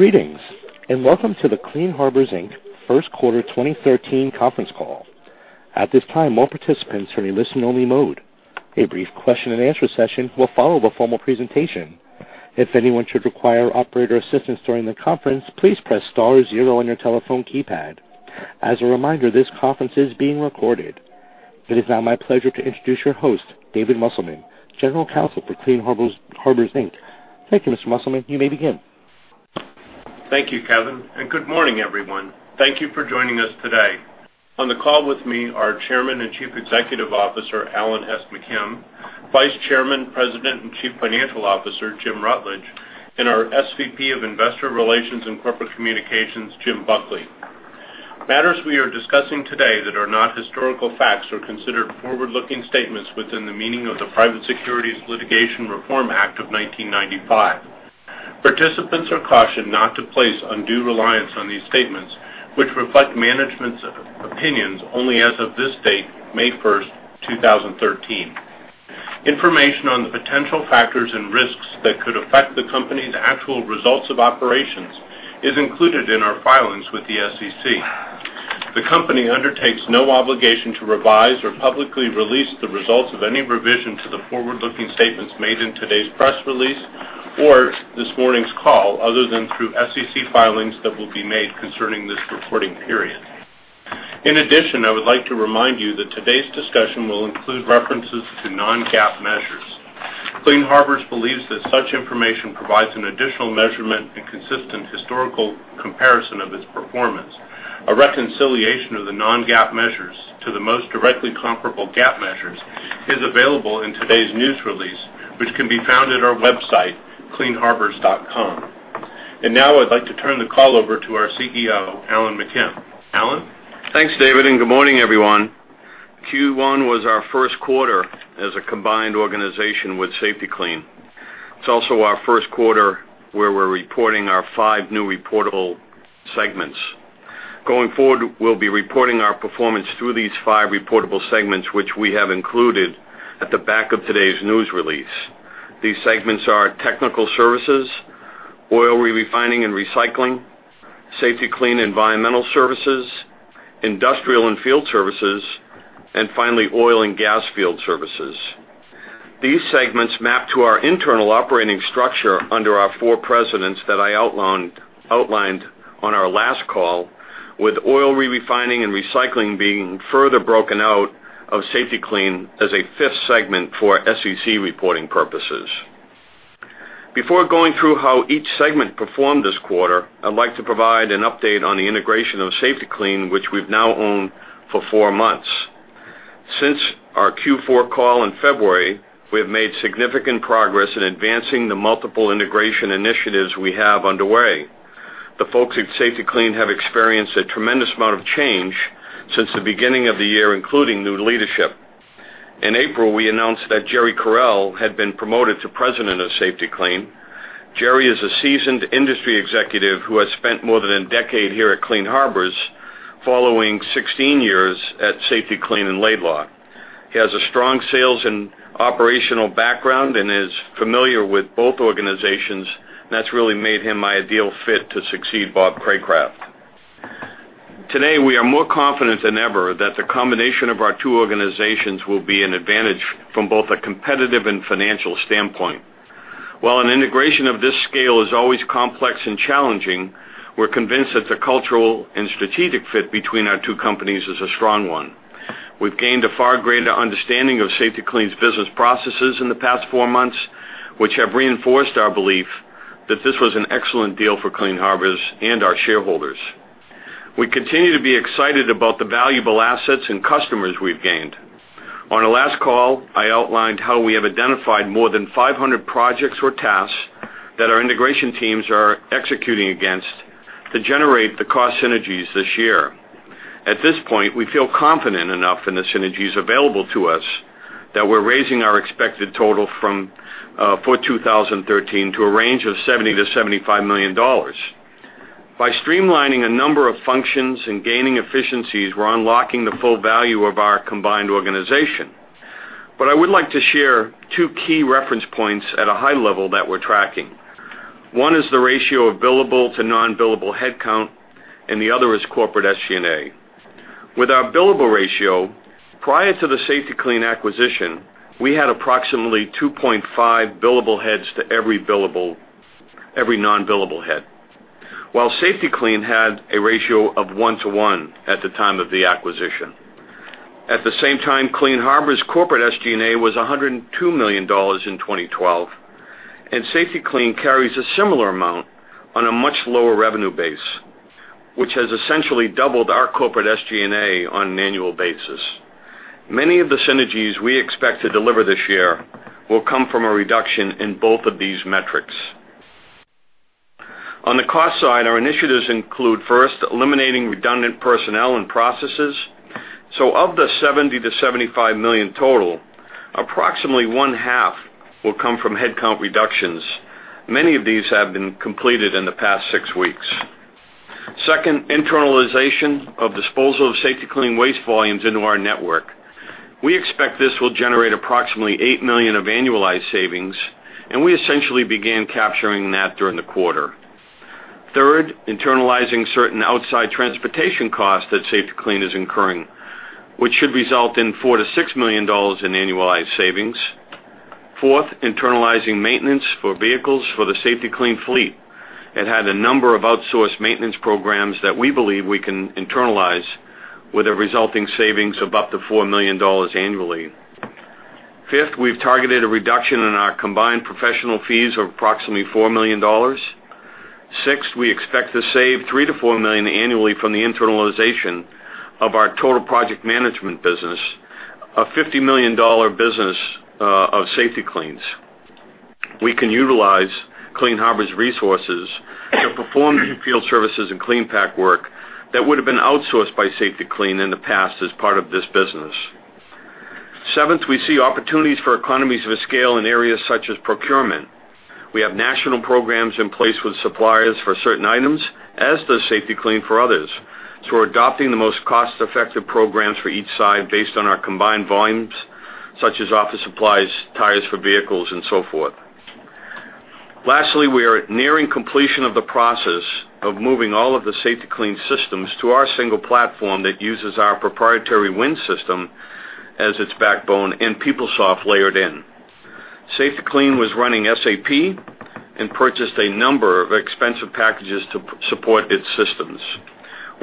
Greetings, and welcome to the Clean Harbors Inc. First Quarter 2013 conference call. At this time, all participants are in a listen-only mode. A brief question-and-answer session will follow a formal presentation. If anyone should require operator assistance during the conference, please press star zero on your telephone keypad. As a reminder, this conference is being recorded. It is now my pleasure to introduce your host, David Musselman, General Counsel for Clean Harbors Inc. Thank you, Mr. Musselman. You may begin. Thank you, Kevin, and good morning, everyone. Thank you for joining us today. On the call with me are Chairman and Chief Executive Officer Alan S. McKim, Vice Chairman, President, and Chief Financial Officer Jim Rutledge, and our SVP of Investor Relations and Corporate Communications, Jim Buckley. Matters we are discussing today that are not historical facts are considered forward-looking statements within the meaning of the Private Securities Litigation Reform Act of 1995. Participants are cautioned not to place undue reliance on these statements, which reflect management's opinions only as of this date, May 1st, 2013. Information on the potential factors and risks that could affect the company's actual results of operations is included in our filings with the SEC. The company undertakes no obligation to revise or publicly release the results of any revision to the forward-looking statements made in today's press release or this morning's call other than through SEC filings that will be made concerning this reporting period. In addition, I would like to remind you that today's discussion will include references to Non-GAAP measures. Clean Harbors believes that such information provides an additional measurement and consistent historical comparison of its performance. A reconciliation of the Non-GAAP measures to the most directly comparable GAAP measures is available in today's news release, which can be found at our website, cleanharbors.com. Now I'd like to turn the call over to our CEO, Alan McKim. Alan? Thanks, David, and good morning, everyone. Q1 was our first quarter as a combined organization with Safety-Kleen. It's also our first quarter where we're reporting our five new reportable segments. Going forward, we'll be reporting our performance through these five reportable segments, which we have included at the back of today's news release. These segments are technical services, oil refining and recycling, Safety-Kleen environmental services, industrial and field services, and finally, oil and gas field services. These segments map to our internal operating structure under our four presidents that I outlined on our last call, with oil refining and recycling being further broken out of Safety-Kleen as a fifth segment for SEC reporting purposes. Before going through how each segment performed this quarter, I'd like to provide an update on the integration of Safety-Kleen, which we've now owned for four months. Since our Q4 call in February, we have made significant progress in advancing the multiple integration initiatives we have underway. The folks at Safety-Kleen have experienced a tremendous amount of change since the beginning of the year, including new leadership. In April, we announced that Jerry Correll had been promoted to President of Safety-Kleen. Jerry is a seasoned industry executive who has spent more than a decade here at Clean Harbors, following 16 years at Safety-Kleen and Laidlaw. He has a strong sales and operational background and is familiar with both organizations, and that's really made him my ideal fit to succeed Bob Craycraft. Today, we are more confident than ever that the combination of our two organizations will be an advantage from both a competitive and financial standpoint. While an integration of this scale is always complex and challenging, we're convinced that the cultural and strategic fit between our two companies is a strong one. We've gained a far greater understanding of Safety-Kleen's business processes in the past four months, which have reinforced our belief that this was an excellent deal for Clean Harbors and our shareholders. We continue to be excited about the valuable assets and customers we've gained. On our last call, I outlined how we have identified more than 500 projects or tasks that our integration teams are executing against to generate the cost synergies this year. At this point, we feel confident enough in the synergies available to us that we're raising our expected total from $40 million for 2013 to a range of $70 million-$75 million. By streamlining a number of functions and gaining efficiencies, we're unlocking the full value of our combined organization. But I would like to share two key reference points at a high level that we're tracking. One is the ratio of billable to non-billable headcount, and the other is corporate SG&A. With our billable ratio, prior to the Safety-Kleen acquisition, we had approximately 2.5 billable heads to every non-billable head, while Safety-Kleen had a ratio of one to one at the time of the acquisition. At the same time, Clean Harbors' corporate SG&A was $102 million in 2012, and Safety-Kleen carries a similar amount on a much lower revenue base, which has essentially doubled our corporate SG&A on an annual basis. Many of the synergies we expect to deliver this year will come from a reduction in both of these metrics. On the cost side, our initiatives include, first, eliminating redundant personnel and processes. So of the $70 million-$75 million total, approximately one half will come from headcount reductions. Many of these have been completed in the past six weeks. Second, internalization of disposal of Safety-Kleen waste volumes into our network. We expect this will generate approximately $8 million of annualized savings, and we essentially began capturing that during the quarter. Third, internalizing certain outside transportation costs that Safety-Kleen is incurring, which should result in $4-$6 million in annualized savings. Fourth, internalizing maintenance for vehicles for the Safety-Kleen fleet. It had a number of outsourced maintenance programs that we believe we can internalize with a resulting savings of up to $4 million annually. Fifth, we've targeted a reduction in our combined professional fees of approximately $4 million. Sixth, we expect to save $3 million-$4 million annually from the internalization of our total project management business, a $50 million business of Safety-Kleen's. We can utilize Clean Harbors' resources to perform field services and CleanPack work that would have been outsourced by Safety-Kleen in the past as part of this business. Seventh, we see opportunities for economies of scale in areas such as procurement. We have national programs in place with suppliers for certain items, as does Safety-Kleen for others. So we're adopting the most cost-effective programs for each side based on our combined volumes, such as office supplies, tires for vehicles, and so forth. Lastly, we are nearing completion of the process of moving all of the Safety-Kleen systems to our single platform that uses our proprietary WIN system as its backbone and PeopleSoft layered in. Safety-Kleen was running SAP and purchased a number of expensive packages to support its systems.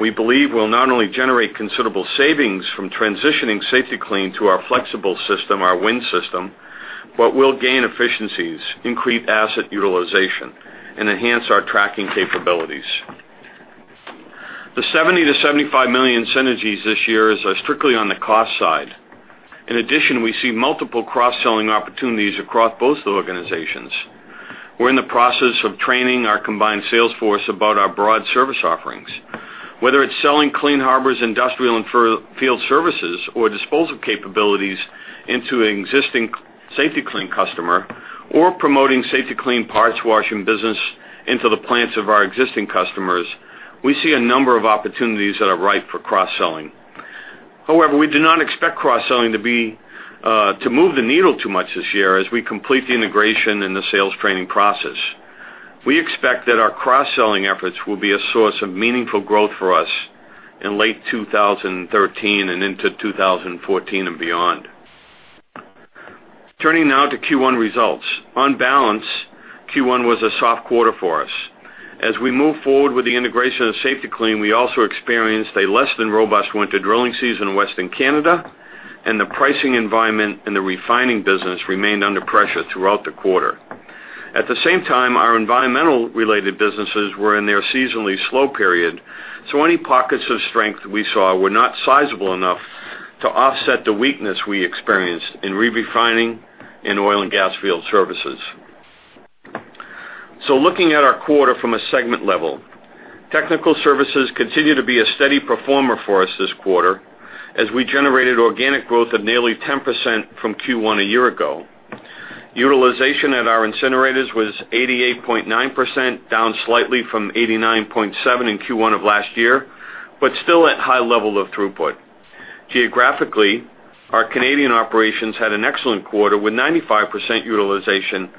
We believe we'll not only generate considerable savings from transitioning Safety-Kleen to our flexible system, our WIN system, but we'll gain efficiencies, increase asset utilization, and enhance our tracking capabilities. The $70 million-$75 million synergies this year are strictly on the cost side. In addition, we see multiple cross-selling opportunities across both the organizations. We're in the process of training our combined sales force about our broad service offerings. Whether it's selling Clean Harbors' industrial and field services or disposal capabilities into an existing Safety-Kleen customer or promoting Safety-Kleen parts washing business into the plants of our existing customers, we see a number of opportunities that are ripe for cross-selling. However, we do not expect cross-selling to move the needle too much this year as we complete the integration and the sales training process. We expect that our cross-selling efforts will be a source of meaningful growth for us in late 2013 and into 2014 and beyond. Turning now to Q1 results. On balance, Q1 was a soft quarter for us. As we move forward with the integration of Safety-Kleen, we also experienced a less than robust winter drilling season in Western Canada, and the pricing environment and the refining business remained under pressure throughout the quarter. At the same time, our environmental-related businesses were in their seasonally slow period, so any pockets of strength we saw were not sizable enough to offset the weakness we experienced in re-refining and oil and gas field services. So looking at our quarter from a segment level, technical services continue to be a steady performer for us this quarter as we generated organic growth of nearly 10% from Q1 a year ago. Utilization at our incinerators was 88.9%, down slightly from 89.7% in Q1 of last year, but still at a high level of throughput. Geographically, our Canadian operations had an excellent quarter with 95% utilization,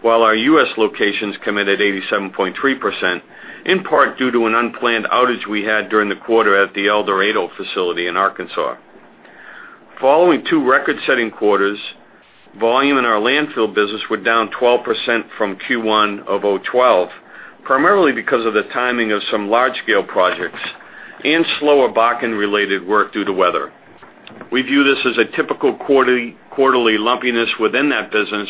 while our U.S. locations committed 87.3%, in part due to an unplanned outage we had during the quarter at the El Dorado facility in Arkansas. Following two record-setting quarters, volume in our landfill business was down 12% from Q1 of 2012, primarily because of the timing of some large-scale projects and slower Bakken-related work due to weather. We view this as a typical quarterly lumpiness within that business,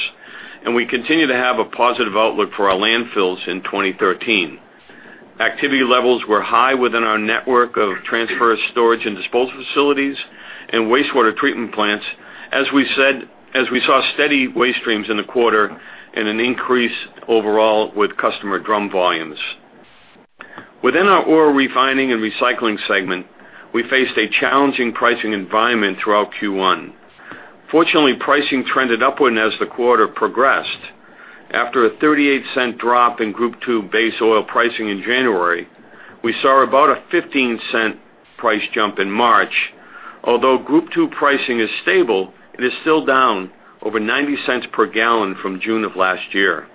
and we continue to have a positive outlook for our landfills in 2013. Activity levels were high within our network of transfer storage and disposal facilities and wastewater treatment plants, as we saw steady waste streams in the quarter and an increase overall with customer drum volumes. Within our oil refining and recycling segment, we faced a challenging pricing environment throughout Q1. Fortunately, pricing trended upward as the quarter progressed. After a $0.38 drop in Group II base oil pricing in January, we saw about a $0.15 price jump in March. Although Group II pricing is stable, it is still down over $0.90 per gallon from June of last year.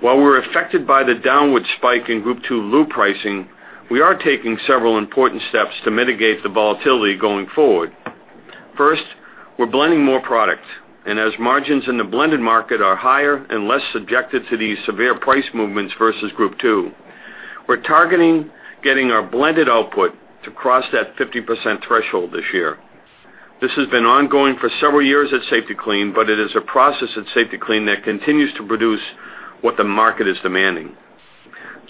While we're affected by the downward spike in Group II lube pricing, we are taking several important steps to mitigate the volatility going forward. First, we're blending more products, and as margins in the blended market are higher and less subjected to these severe price movements versus Group II, we're targeting getting our blended output to cross that 50% threshold this year. This has been ongoing for several years at Safety-Kleen, but it is a process at Safety-Kleen that continues to produce what the market is demanding.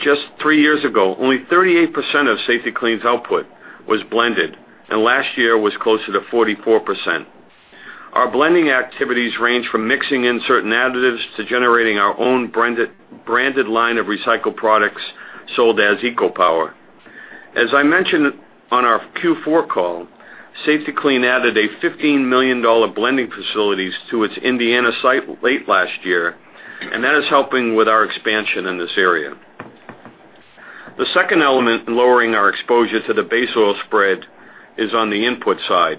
Just three years ago, only 38% of Safety-Kleen's output was blended, and last year was closer to 44%. Our blending activities range from mixing in certain additives to generating our own branded line of recycled products sold as EcoPower. As I mentioned on our Q4 call, Safety-Kleen added a $15 million blending facility to its Indiana site late last year, and that is helping with our expansion in this area. The second element in lowering our exposure to the base oil spread is on the input side.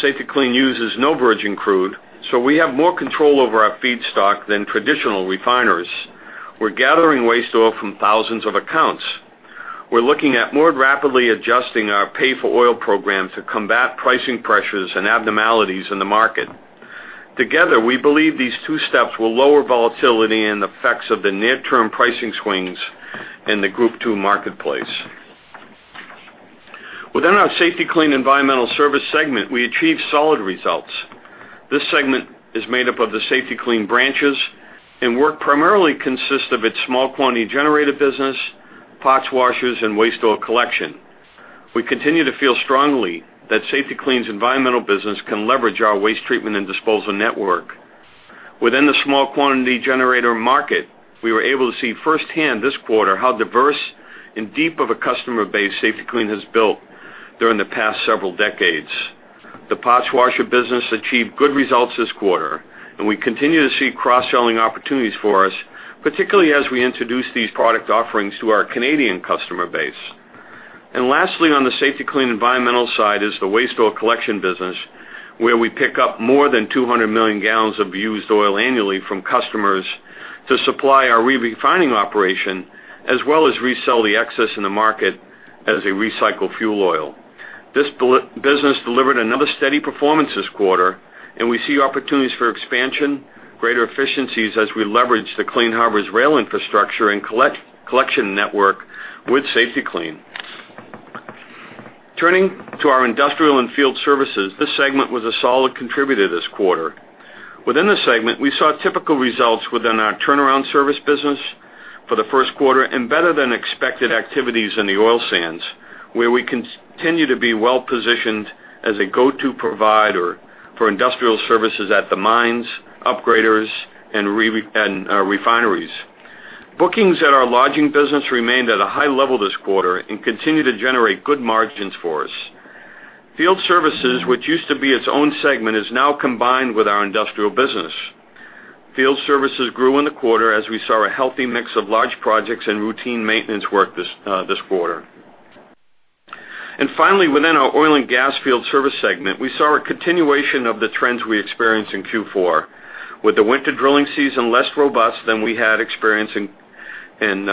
Safety-Kleen uses no virgin crude, so we have more control over our feedstock than traditional refiners. We're gathering waste oil from thousands of accounts. We're looking at more rapidly adjusting our Pay-for-Oil program to combat pricing pressures and abnormalities in the market. Together, we believe these two steps will lower volatility and effects of the near-term pricing swings in the Group II marketplace. Within our Safety-Kleen environmental services segment, we achieve solid results. This segment is made up of the Safety-Kleen branches, and work primarily consists of its small quantity generator business, parts washers, and waste oil collection. We continue to feel strongly that Safety-Kleen's environmental business can leverage our waste treatment and disposal network. Within the small quantity generator market, we were able to see firsthand this quarter how diverse and deep of a customer base Safety-Kleen has built during the past several decades. The parts washer business achieved good results this quarter, and we continue to see cross-selling opportunities for us, particularly as we introduce these product offerings to our Canadian customer base. Lastly, on the Safety-Kleen environmental side is the waste oil collection business, where we pick up more than 200 million gallons of used oil annually from customers to supply our re-refining operation, as well as resell the excess in the market as a recycled fuel oil. This business delivered another steady performance this quarter, and we see opportunities for expansion, greater efficiencies as we leverage the Clean Harbors rail infrastructure and collection network with Safety-Kleen. Turning to our industrial and field services, this segment was a solid contributor this quarter. Within the segment, we saw typical results within our turnaround service business for the first quarter and better than expected activities in the oil sands, where we continue to be well positioned as a go-to provider for industrial services at the mines, upgraders, and refineries. Bookings at our lodging business remained at a high level this quarter and continue to generate good margins for us. Field services, which used to be its own segment, is now combined with our industrial business. Field services grew in the quarter as we saw a healthy mix of large projects and routine maintenance work this quarter. Finally, within our oil and gas field service segment, we saw a continuation of the trends we experienced in Q4, with the winter drilling season less robust than we had experienced in 2011. In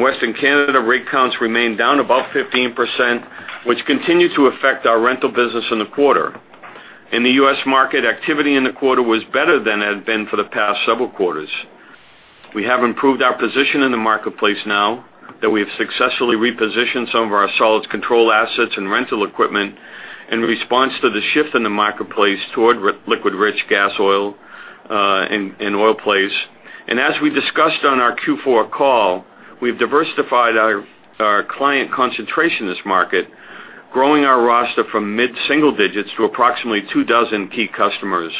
Western Canada, rig counts remained down above 15%, which continued to affect our rental business in the quarter. In the U.S. market, activity in the quarter was better than it had been for the past several quarters. We have improved our position in the marketplace now that we have successfully repositioned some of our solids control assets and rental equipment in response to the shift in the marketplace toward liquid-rich gas oil and oil plays. As we discussed on our Q4 call, we've diversified our client concentration in this market, growing our roster from mid-single digits to approximately two dozen key customers.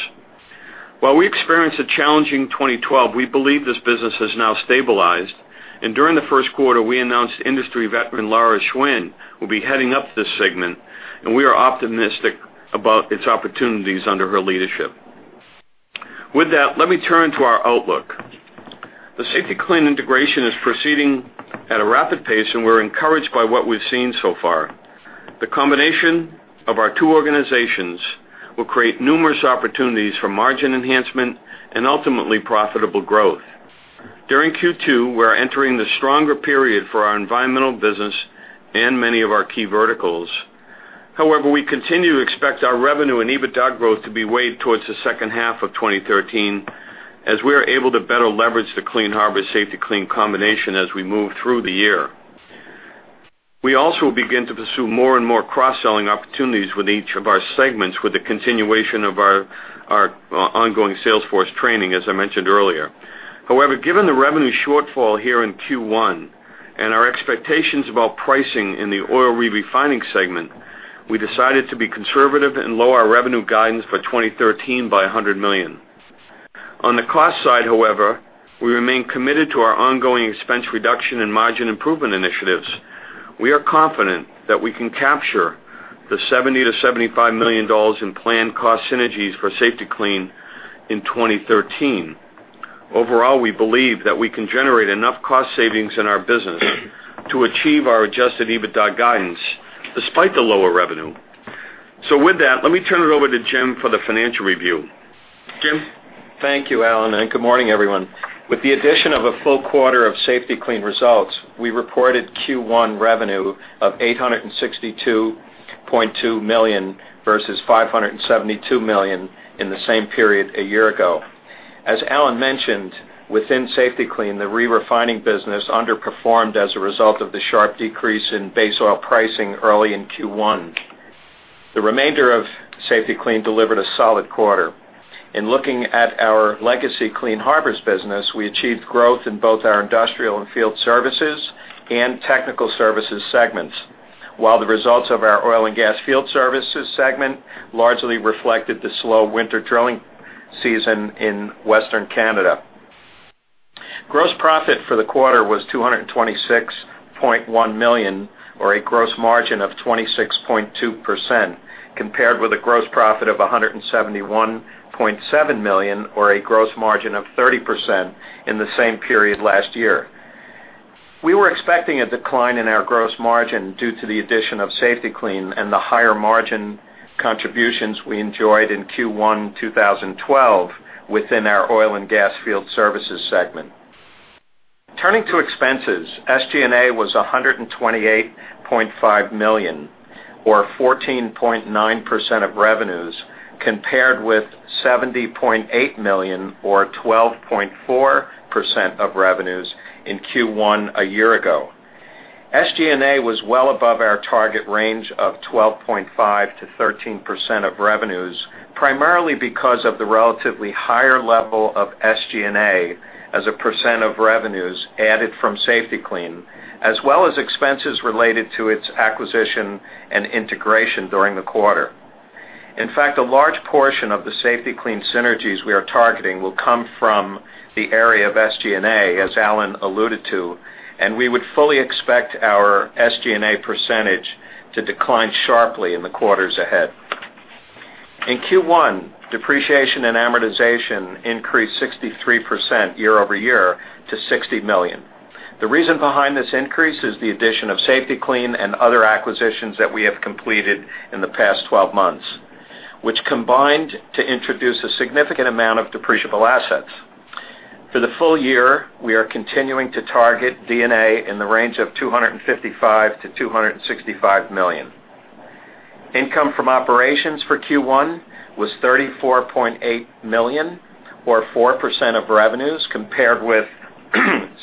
While we experienced a challenging 2012, we believe this business has now stabilized. During the first quarter, we announced industry veteran Laura Schwinn will be heading up this segment, and we are optimistic about its opportunities under her leadership. With that, let me turn to our outlook. The Safety-Kleen integration is proceeding at a rapid pace, and we're encouraged by what we've seen so far. The combination of our two organizations will create numerous opportunities for margin enhancement and ultimately profitable growth. During Q2, we're entering the stronger period for our environmental business and many of our key verticals. However, we continue to expect our revenue and EBITDA growth to be weighted towards the second half of 2013 as we are able to better leverage the Clean Harbors Safety-Kleen combination as we move through the year. We also begin to pursue more and more cross-selling opportunities with each of our segments with the continuation of our ongoing sales force training, as I mentioned earlier. However, given the revenue shortfall here in Q1 and our expectations about pricing in the oil re-refining segment, we decided to be conservative and lower our revenue guidance for 2013 by $100 million. On the cost side, however, we remain committed to our ongoing expense reduction and margin improvement initiatives. We are confident that we can capture the $70 million-$75 million in planned cost synergies for Safety-Kleen in 2013. Overall, we believe that we can generate enough cost savings in our business to achieve our Adjusted EBITDA guidance despite the lower revenue. So with that, let me turn it over to Jim for the financial review. Jim? Thank you, Alan, and good morning, everyone. With the addition of a full quarter of Safety-Kleen results, we reported Q1 revenue of $862.2 million versus $572 million in the same period a year ago. As Alan mentioned, within Safety-Kleen, the re-refining business underperformed as a result of the sharp decrease in base oil pricing early in Q1. The remainder of Safety-Kleen delivered a solid quarter. In looking at our legacy Clean Harbors business, we achieved growth in both our industrial and field services and technical services segments, while the results of our oil and gas field services segment largely reflected the slow winter drilling season in Western Canada. Gross profit for the quarter was $226.1 million, or a gross margin of 26.2%, compared with a gross profit of $171.7 million, or a gross margin of 30% in the same period last year. We were expecting a decline in our gross margin due to the addition of Safety-Kleen and the higher margin contributions we enjoyed in Q1 2012 within our oil and gas field services segment. Turning to expenses, SG&A was $128.5 million, or 14.9% of revenues, compared with $70.8 million, or 12.4% of revenues, in Q1 a year ago. SG&A was well above our target range of 12.5%-13% of revenues, primarily because of the relatively higher level of SG&A as a percent of revenues added from Safety-Kleen, as well as expenses related to its acquisition and integration during the quarter. In fact, a large portion of the Safety-Kleen synergies we are targeting will come from the area of SG&A, as Alan alluded to, and we would fully expect our SG&A percentage to decline sharply in the quarters ahead. In Q1, depreciation and amortization increased 63% year-over-year to $60 million. The reason behind this increase is the addition of Safety-Kleen and other acquisitions that we have completed in the past 12 months, which combined to introduce a significant amount of depreciable assets. For the full year, we are continuing to target D&A in the range of $255 million-$265 million. Income from operations for Q1 was $34.8 million, or 4% of revenues, compared with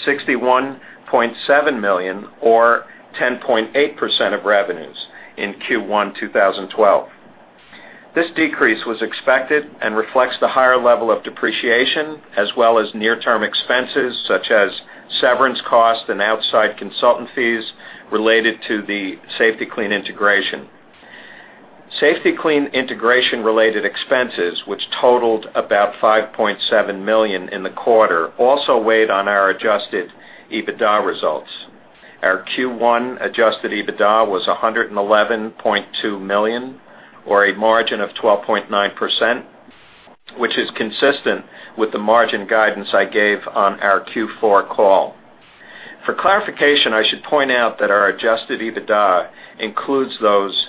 $61.7 million, or 10.8% of revenues in Q1 2012. This decrease was expected and reflects the higher level of depreciation, as well as near-term expenses such as severance costs and outside consultant fees related to the Safety-Kleen integration. Safety-Kleen integration-related expenses, which totaled about $5.7 million in the quarter, also weighed on our Adjusted EBITDA results. Our Q1 Adjusted EBITDA was $111.2 million, or a margin of 12.9%, which is consistent with the margin guidance I gave on our Q4 call. For clarification, I should point out that our Adjusted EBITDA includes those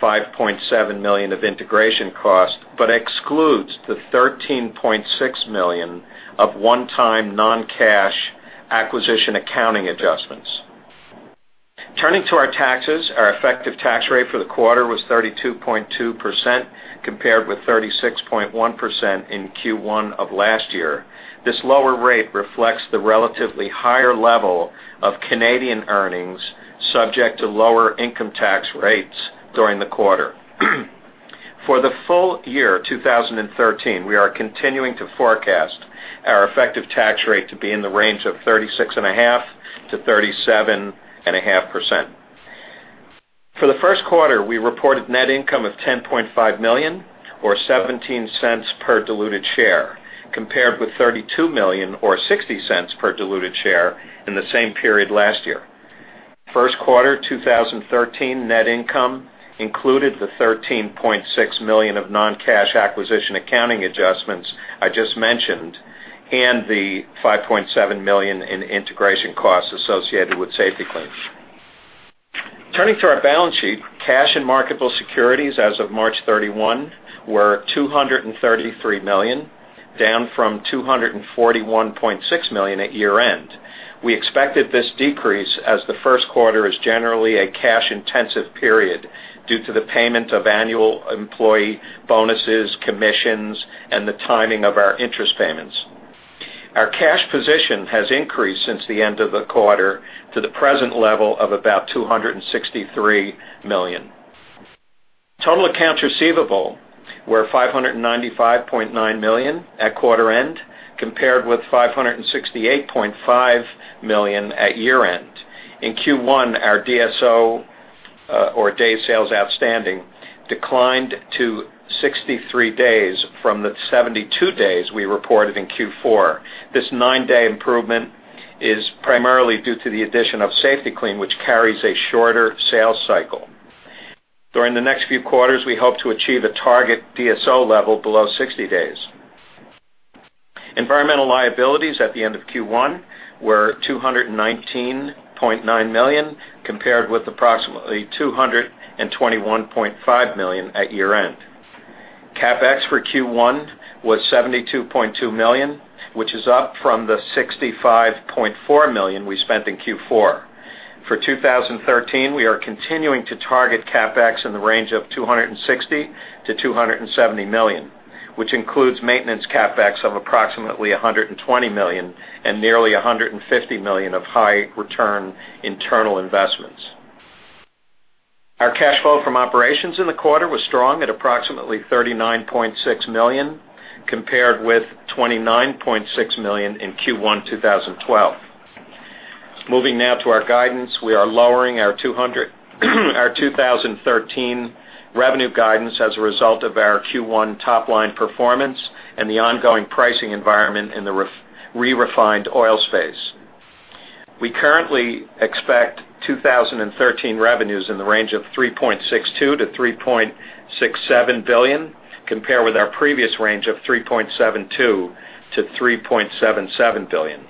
$5.7 million of integration costs but excludes the $13.6 million of one-time non-cash acquisition accounting adjustments. Turning to our taxes, our effective tax rate for the quarter was 32.2%, compared with 36.1% in Q1 of last year. This lower rate reflects the relatively higher level of Canadian earnings subject to lower income tax rates during the quarter. For the full year 2013, we are continuing to forecast our effective tax rate to be in the range of 36.5%-37.5%. For the first quarter, we reported net income of $10.5 million, or $0.17 per diluted share, compared with $32 million, or $0.60 per diluted share, in the same period last year. First quarter 2013 net income included the $13.6 million of non-cash acquisition accounting adjustments I just mentioned and the $5.7 million in integration costs associated with Safety-Kleen. Turning to our balance sheet, cash and marketable securities as of March 31 were $233 million, down from $241.6 million at year-end. We expected this decrease as the first quarter is generally a cash-intensive period due to the payment of annual employee bonuses, commissions, and the timing of our interest payments. Our cash position has increased since the end of the quarter to the present level of about $263 million. Total accounts receivable were $595.9 million at quarter-end, compared with $568.5 million at year-end. In Q1, our DSO, or day sales outstanding, declined to 63 days from the 72 days we reported in Q4. This nine-day improvement is primarily due to the addition of Safety-Kleen, which carries a shorter sales cycle. During the next few quarters, we hope to achieve a target DSO level below 60 days. Environmental liabilities at the end of Q1 were $219.9 million, compared with approximately $221.5 million at year-end. CapEx for Q1 was $72.2 million, which is up from the $65.4 million we spent in Q4. For 2013, we are continuing to target CapEx in the range of $260 million-$270 million, which includes maintenance CapEx of approximately $120 million and nearly $150 million of high-return internal investments. Our cash flow from operations in the quarter was strong at approximately $39.6 million, compared with $29.6 million in Q1 2012. Moving now to our guidance, we are lowering our 2013 revenue guidance as a result of our Q1 top-line performance and the ongoing pricing environment in the re-refined oil space. We currently expect 2013 revenues in the range of $3.62 billion-$3.67 billion, compared with our previous range of $3.72 billion-$3.77 billion.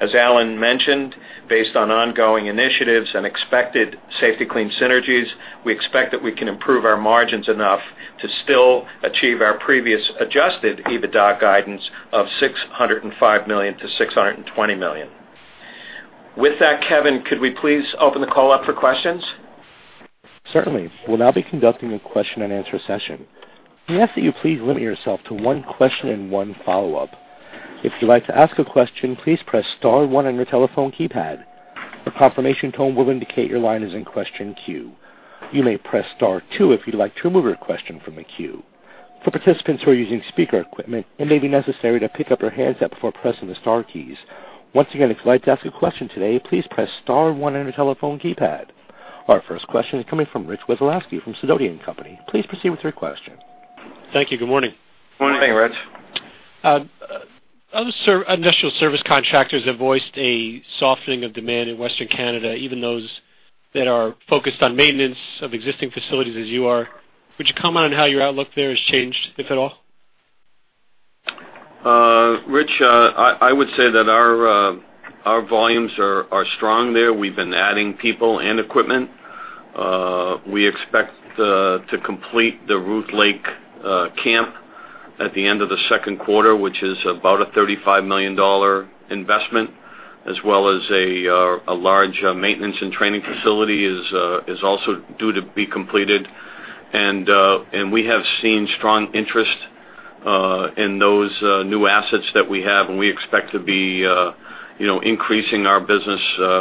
As Alan mentioned, based on ongoing initiatives and expected Safety-Kleen synergies, we expect that we can improve our margins enough to still achieve our previous Adjusted EBITDA guidance of $605 million-$620 million. With that, Kevin, could we please open the call up for questions? Certainly. We'll now be conducting a question-and-answer session. We ask that you please limit yourself to one question and one follow-up. If you'd like to ask a question, please press star one on your telephone keypad. The confirmation tone will indicate your line is in question queue. You may press star two if you'd like to remove your question from the queue. For participants who are using speaker equipment, it may be necessary to pick up your handset before pressing the Star keys. Once again, if you'd like to ask a question today, please press star one on your telephone keypad. Our first question is coming from Rich Wesolowski from Sidoti & Company. Please proceed with your question. Thank you. Good morning. Good morning. Good morning, Rich. Other industrial service contractors have voiced a softening of demand in Western Canada, even those that are focused on maintenance of existing facilities as you are. Would you comment on how your outlook there has changed, if at all? Rich, I would say that our volumes are strong there. We've been adding people and equipment. We expect to complete the Ruth Lake camp at the end of the second quarter, which is about a $35 million investment, as well as a large maintenance and training facility is also due to be completed. We have seen strong interest in those new assets that we have, and we expect to be increasing our business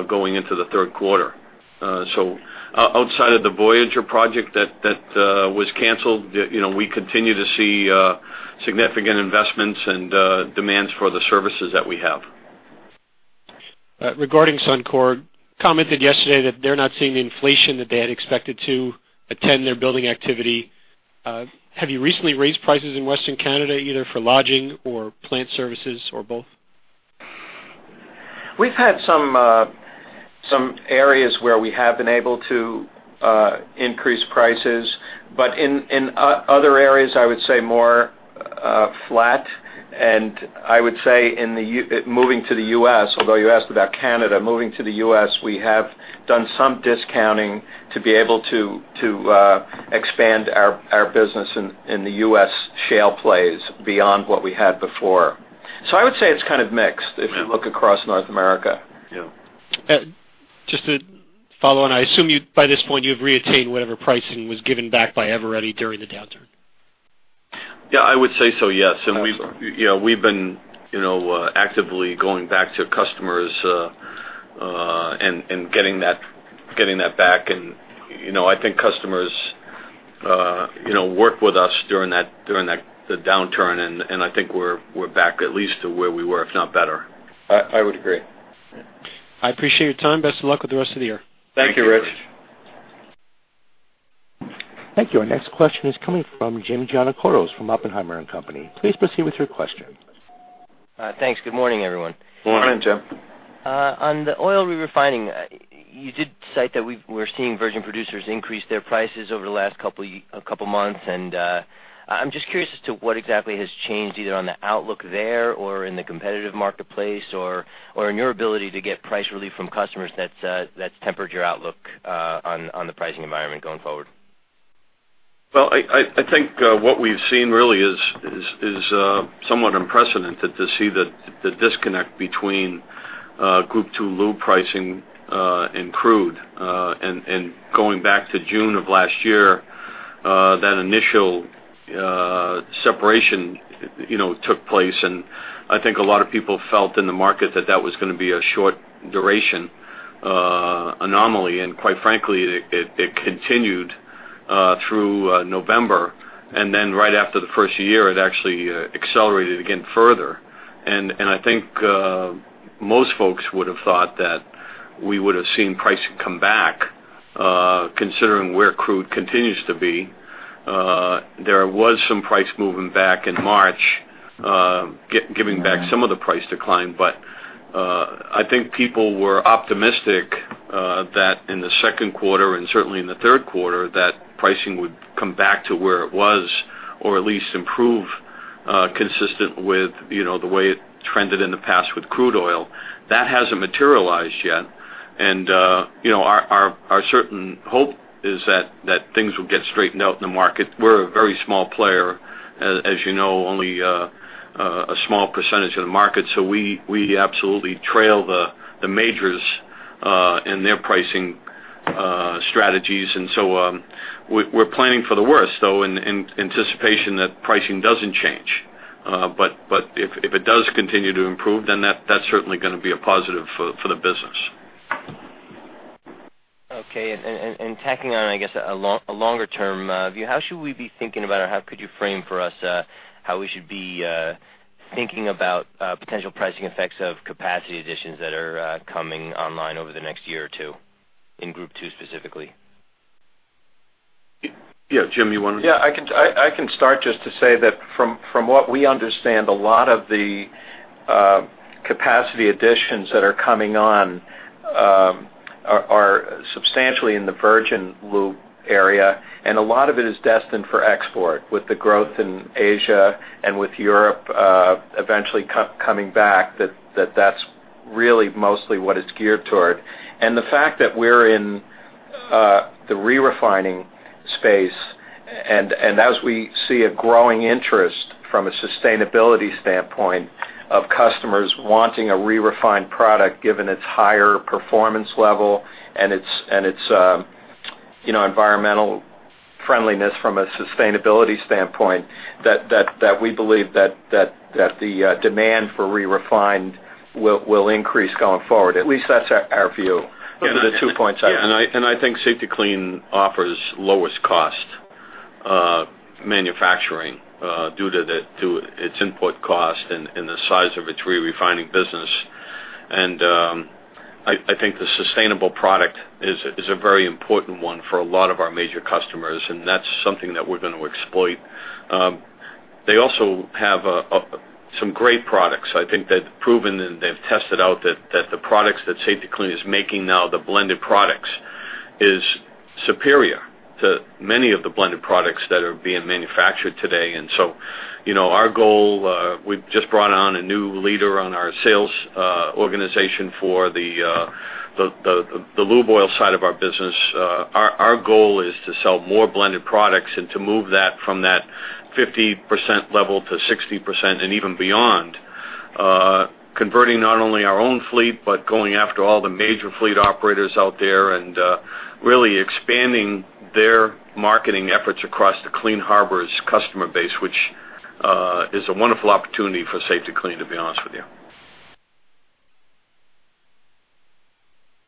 going into the third quarter. Outside of the Voyageur project that was canceled, we continue to see significant investments and demands for the services that we have. Regarding Suncor, commented yesterday that they're not seeing the inflation that they had expected to attend their building activity. Have you recently raised prices in Western Canada, either for lodging or plant services or both? We've had some areas where we have been able to increase prices, but in other areas, I would say more flat. I would say moving to the U.S., although you asked about Canada, moving to the U.S., we have done some discounting to be able to expand our business in the U.S. shale plays beyond what we had before. I would say it's kind of mixed if you look across North America. Yeah. Just to follow on, I assume by this point you've reattained whatever pricing was given back by Eveready during the downturn? Yeah, I would say so, yes. We've been actively going back to customers and getting that back. I think customers worked with us during the downturn, and I think we're back at least to where we were, if not better. I would agree. I appreciate your time. Best of luck with the rest of the year. Thank you, Rich. Thank you. Our next question is coming from Jim Giannakouros from Oppenheimer & Company. Please proceed with your question. Thanks. Good morning, everyone. Good morning, Jim. On the oil re-refining, you did cite that we're seeing virgin producers increase their prices over the last couple of months. And I'm just curious as to what exactly has changed, either on the outlook there or in the competitive marketplace or in your ability to get price relief from customers that's tempered your outlook on the pricing environment going forward? Well, I think what we've seen really is somewhat unprecedented to see the disconnect between Group II lube pricing and crude. And going back to June of last year, that initial separation took place. And I think a lot of people felt in the market that that was going to be a short-duration anomaly. And quite frankly, it continued through November. And then right after the first year, it actually accelerated again further. And I think most folks would have thought that we would have seen pricing come back, considering where crude continues to be. There was some price movement back in March, giving back some of the price decline. But I think people were optimistic that in the second quarter and certainly in the third quarter, that pricing would come back to where it was or at least improve consistent with the way it trended in the past with crude oil. That hasn't materialized yet. And our certain hope is that things will get straightened out in the market. We're a very small player, as you know, only a small percentage of the market. So we absolutely trail the majors in their pricing strategies. And so we're planning for the worst, though, in anticipation that pricing doesn't change. But if it does continue to improve, then that's certainly going to be a positive for the business. Okay. Tacking on, I guess, a longer-term view, how should we be thinking about, or how could you frame for us how we should be thinking about potential pricing effects of capacity additions that are coming online over the next year or two in Group II specifically? Yeah, Jim, you wanted to? Yeah, I can start just to say that from what we understand, a lot of the capacity additions that are coming on are substantially in the virgin lube area. And a lot of it is destined for export with the growth in Asia and with Europe eventually coming back, that that's really mostly what it's geared toward. And the fact that we're in the re-refining space and as we see a growing interest from a sustainability standpoint of customers wanting a re-refined product, given its higher performance level and its environmental friendliness from a sustainability standpoint, that we believe that the demand for re-refined will increase going forward. At least that's our view of the two points I have. I think Safety-Kleen offers lowest-cost manufacturing due to its input cost and the size of its re-refining business. I think the sustainable product is a very important one for a lot of our major customers, and that's something that we're going to exploit. They also have some great products. I think they've proven and they've tested out that the products that Safety-Kleen is making now, the blended products, is superior to many of the blended products that are being manufactured today. So our goal, we've just brought on a new leader on our sales organization for the lube oil side of our business. Our goal is to sell more blended products and to move that from that 50% level to 60% and even beyond, converting not only our own fleet but going after all the major fleet operators out there and really expanding their marketing efforts across the Clean Harbors customer base, which is a wonderful opportunity for Safety-Kleen, to be honest with you.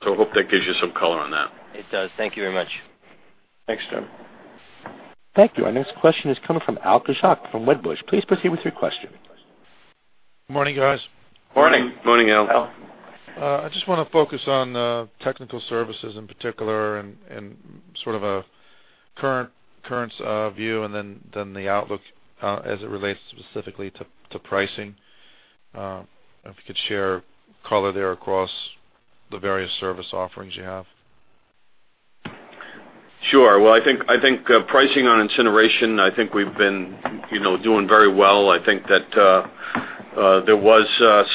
So I hope that gives you some color on that. It does. Thank you very much. Thanks, Jim. Thank you. Our next question is coming from Al Kaschalk from Wedbush. Please proceed with your question. Good morning, guys. Morning. Morning, Al. I just want to focus on technical services in particular and sort of a current view and then the outlook as it relates specifically to pricing. If you could share color there across the various service offerings you have. Sure. Well, I think pricing on incineration, I think we've been doing very well. I think that there was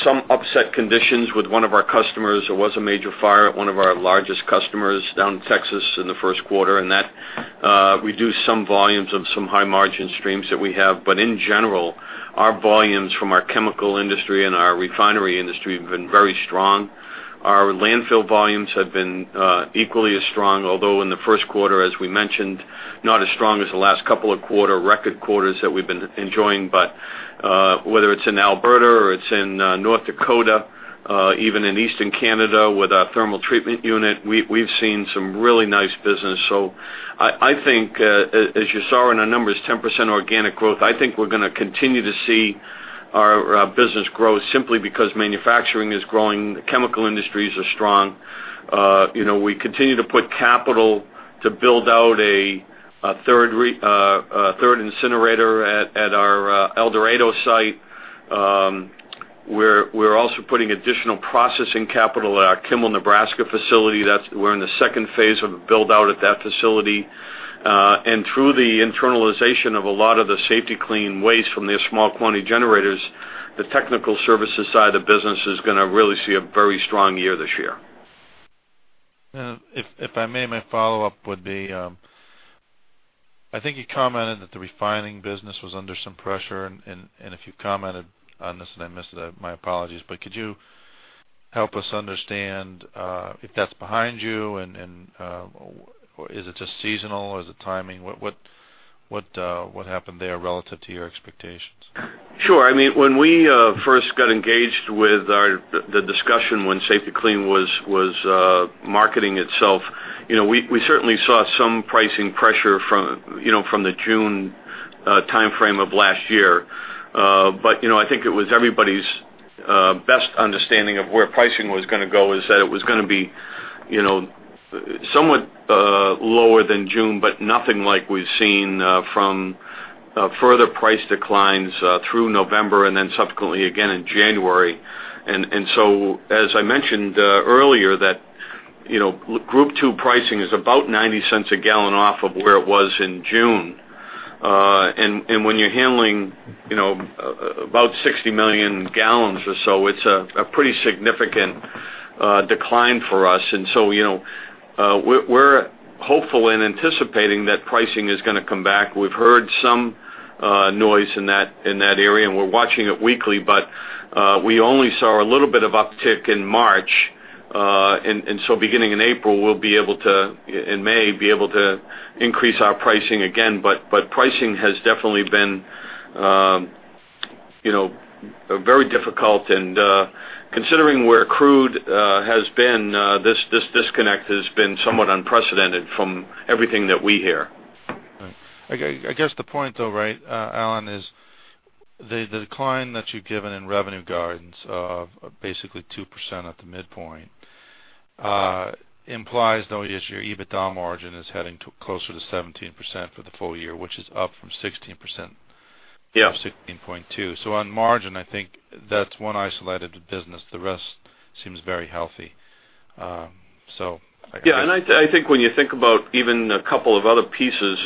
some upset conditions with one of our customers. There was a major fire at one of our largest customers down in Texas in the first quarter, and that reduced some volumes of some high-margin streams that we have. But in general, our volumes from our chemical industry and our refinery industry have been very strong. Our landfill volumes have been equally as strong, although in the first quarter, as we mentioned, not as strong as the last couple of record quarters that we've been enjoying. But whether it's in Alberta or it's in North Dakota, even in Eastern Canada with our thermal treatment unit, we've seen some really nice business. I think, as you saw in our numbers, 10% organic growth. I think we're going to continue to see our business grow simply because manufacturing is growing, chemical industries are strong. We continue to put capital to build out a third incinerator at our El Dorado site. We're also putting additional processing capital at our Kimball, Nebraska facility. We're in the second phase of the build-out at that facility. Through the internalization of a lot of the Safety-Kleen waste from their small-quantity generators, the technical services side of the business is going to really see a very strong year this year. If I may, my follow-up would be, I think you commented that the refining business was under some pressure. If you commented on this and I missed it, my apologies. Could you help us understand if that's behind you? Is it just seasonal? Is it timing? What happened there relative to your expectations? Sure. I mean, when we first got engaged with the discussion when Safety-Kleen was marketing itself, we certainly saw some pricing pressure from the June timeframe of last year. But I think it was everybody's best understanding of where pricing was going to go is that it was going to be somewhat lower than June, but nothing like we've seen from further price declines through November and then subsequently again in January. And so, as I mentioned earlier, that Group II pricing is about $0.90 a gallon off of where it was in June. And when you're handling about 60 million gallons or so, it's a pretty significant decline for us. And so we're hopeful and anticipating that pricing is going to come back. We've heard some noise in that area, and we're watching it weekly. But we only saw a little bit of uptick in March. And so beginning in April, we'll be able to, in May, be able to increase our pricing again. But pricing has definitely been very difficult. Considering where crude has been, this disconnect has been somewhat unprecedented from everything that we hear. I guess the point, though, right, Alan, is the decline that you've given in revenue guidance, basically 2% at the midpoint, implies, though, your EBITDA margin is heading closer to 17% for the full year, which is up from 16% or 16.2%. So on margin, I think that's one isolated business. The rest seems very healthy. So. Yeah. I think when you think about even a couple of other pieces,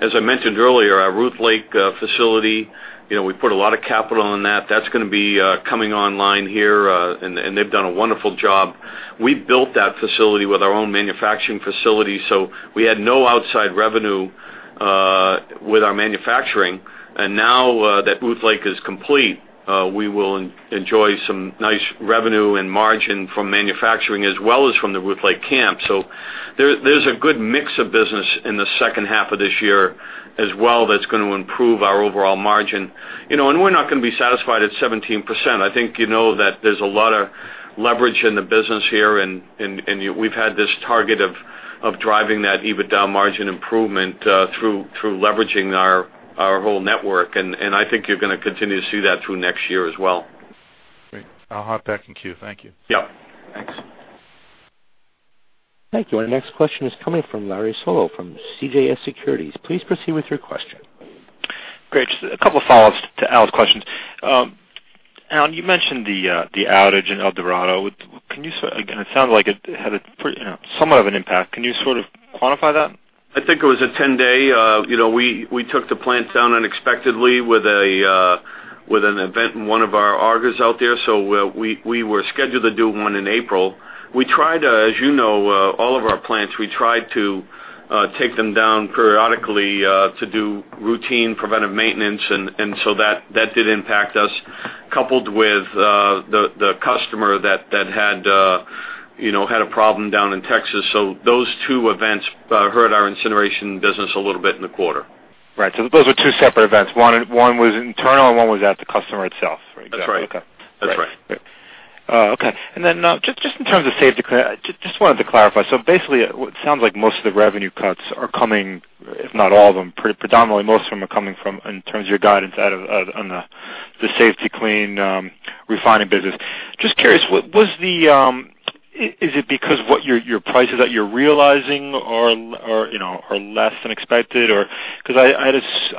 as I mentioned earlier, our Ruth Lake facility, we put a lot of capital in that. That's going to be coming online here. They've done a wonderful job. We built that facility with our own manufacturing facility. So we had no outside revenue with our manufacturing. Now that Ruth Lake is complete, we will enjoy some nice revenue and margin from manufacturing as well as from the Ruth Lake camp. So there's a good mix of business in the second half of this year as well that's going to improve our overall margin. We're not going to be satisfied at 17%. I think you know that there's a lot of leverage in the business here. We've had this target of driving that EBITDA margin improvement through leveraging our whole network. I think you're going to continue to see that through next year as well. Great. I'll hop back in queue. Thank you. Yep. Thanks. Thank you. Our next question is coming from Larry Solow from CJS Securities. Please proceed with your question. Great. Just a couple of follow-ups to Al's questions. Alan, you mentioned the outage in El Dorado. It sounded like it had somewhat of an impact. Can you sort of quantify that? I think it was a 10-day. We took the plants down unexpectedly with an event in one of our areas out there. So we were scheduled to do one in April. We tried to, as you know, all of our plants, we tried to take them down periodically to do routine preventive maintenance. And so that did impact us, coupled with the customer that had a problem down in Texas. So those two events hurt our incineration business a little bit in the quarter. Right. So those were two separate events. One was internal and one was at the customer itself. That's right. That's right. Okay. Okay. And then just in terms of Safety-Kleen, just wanted to clarify. So basically, it sounds like most of the revenue cuts are coming, if not all of them, predominantly most of them are coming from, in terms of your guidance, on the Safety-Kleen refining business. Just curious, is it because your prices that you're realizing are less than expected? Because I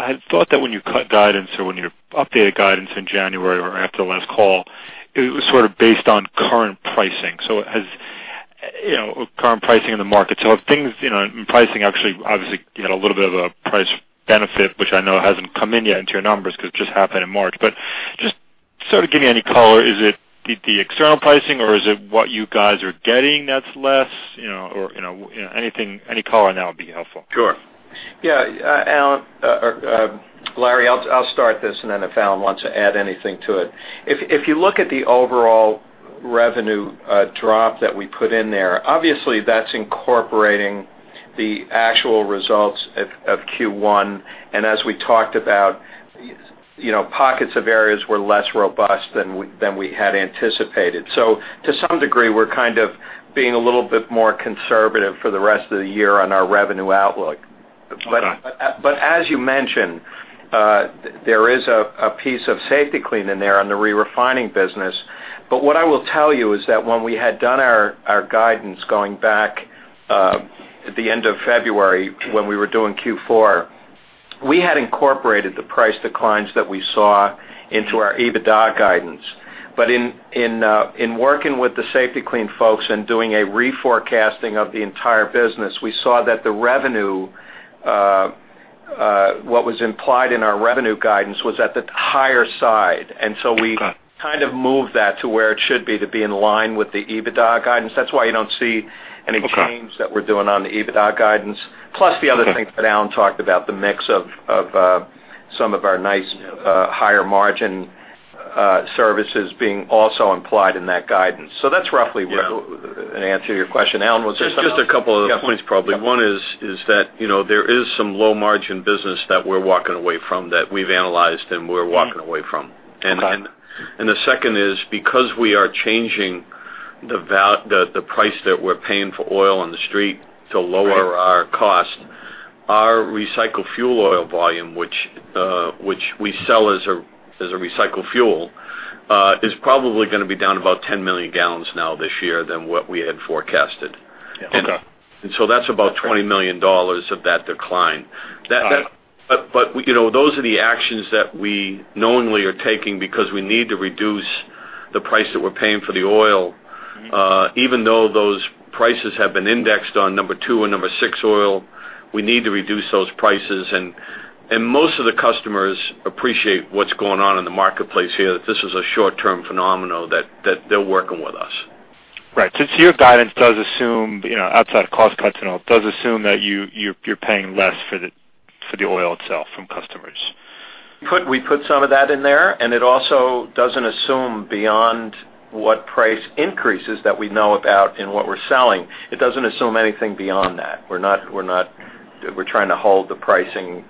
had thought that when you cut guidance or when you updated guidance in January or after the last call, it was sort of based on current pricing. So it has current pricing in the market. So if things in pricing actually obviously had a little bit of a price benefit, which I know hasn't come in yet into your numbers because it just happened in March. But just sort of give me any color. Is it the external pricing, or is it what you guys are getting that's less? Or any color on that would be helpful. Sure. Yeah. Alan, Larry, I'll start this, and then if Alan wants to add anything to it. If you look at the overall revenue drop that we put in there, obviously that's incorporating the actual results of Q1. And as we talked about, pockets of areas were less robust than we had anticipated. So to some degree, we're kind of being a little bit more conservative for the rest of the year on our revenue outlook. But as you mentioned, there is a piece of Safety-Kleen in there on the re-refining business. But what I will tell you is that when we had done our guidance going back at the end of February when we were doing Q4, we had incorporated the price declines that we saw into our EBITDA guidance. But in working with the Safety-Kleen folks and doing a reforecasting of the entire business, we saw that the revenue, what was implied in our revenue guidance, was at the higher side. And so we kind of moved that to where it should be to be in line with the EBITDA guidance. That's why you don't see any change that we're doing on the EBITDA guidance. Plus the other thing that Alan talked about, the mix of some of our nice higher margin services being also implied in that guidance. So that's roughly an answer to your question. Alan, was there something else? Just a couple of points, probably. One is that there is some low-margin business that we're walking away from that we've analyzed and we're walking away from. The second is because we are changing the price that we're paying for oil on the street to lower our cost, our recycled fuel oil volume, which we sell as a recycled fuel, is probably going to be down about 10 million gallons now this year than what we had forecasted. So that's about $20 million of that decline. Those are the actions that we knowingly are taking because we need to reduce the price that we're paying for the oil. Even though those prices have been indexed on number 2 and number 6 oil, we need to reduce those prices. Most of the customers appreciate what's going on in the marketplace here, that this is a short-term phenomenon, that they're working with us. Right. So your guidance does assume, outside of cost cuts and all, does assume that you're paying less for the oil itself from customers. We put some of that in there. It also doesn't assume beyond what price increases that we know about in what we're selling. It doesn't assume anything beyond that. We're trying to hold the pricing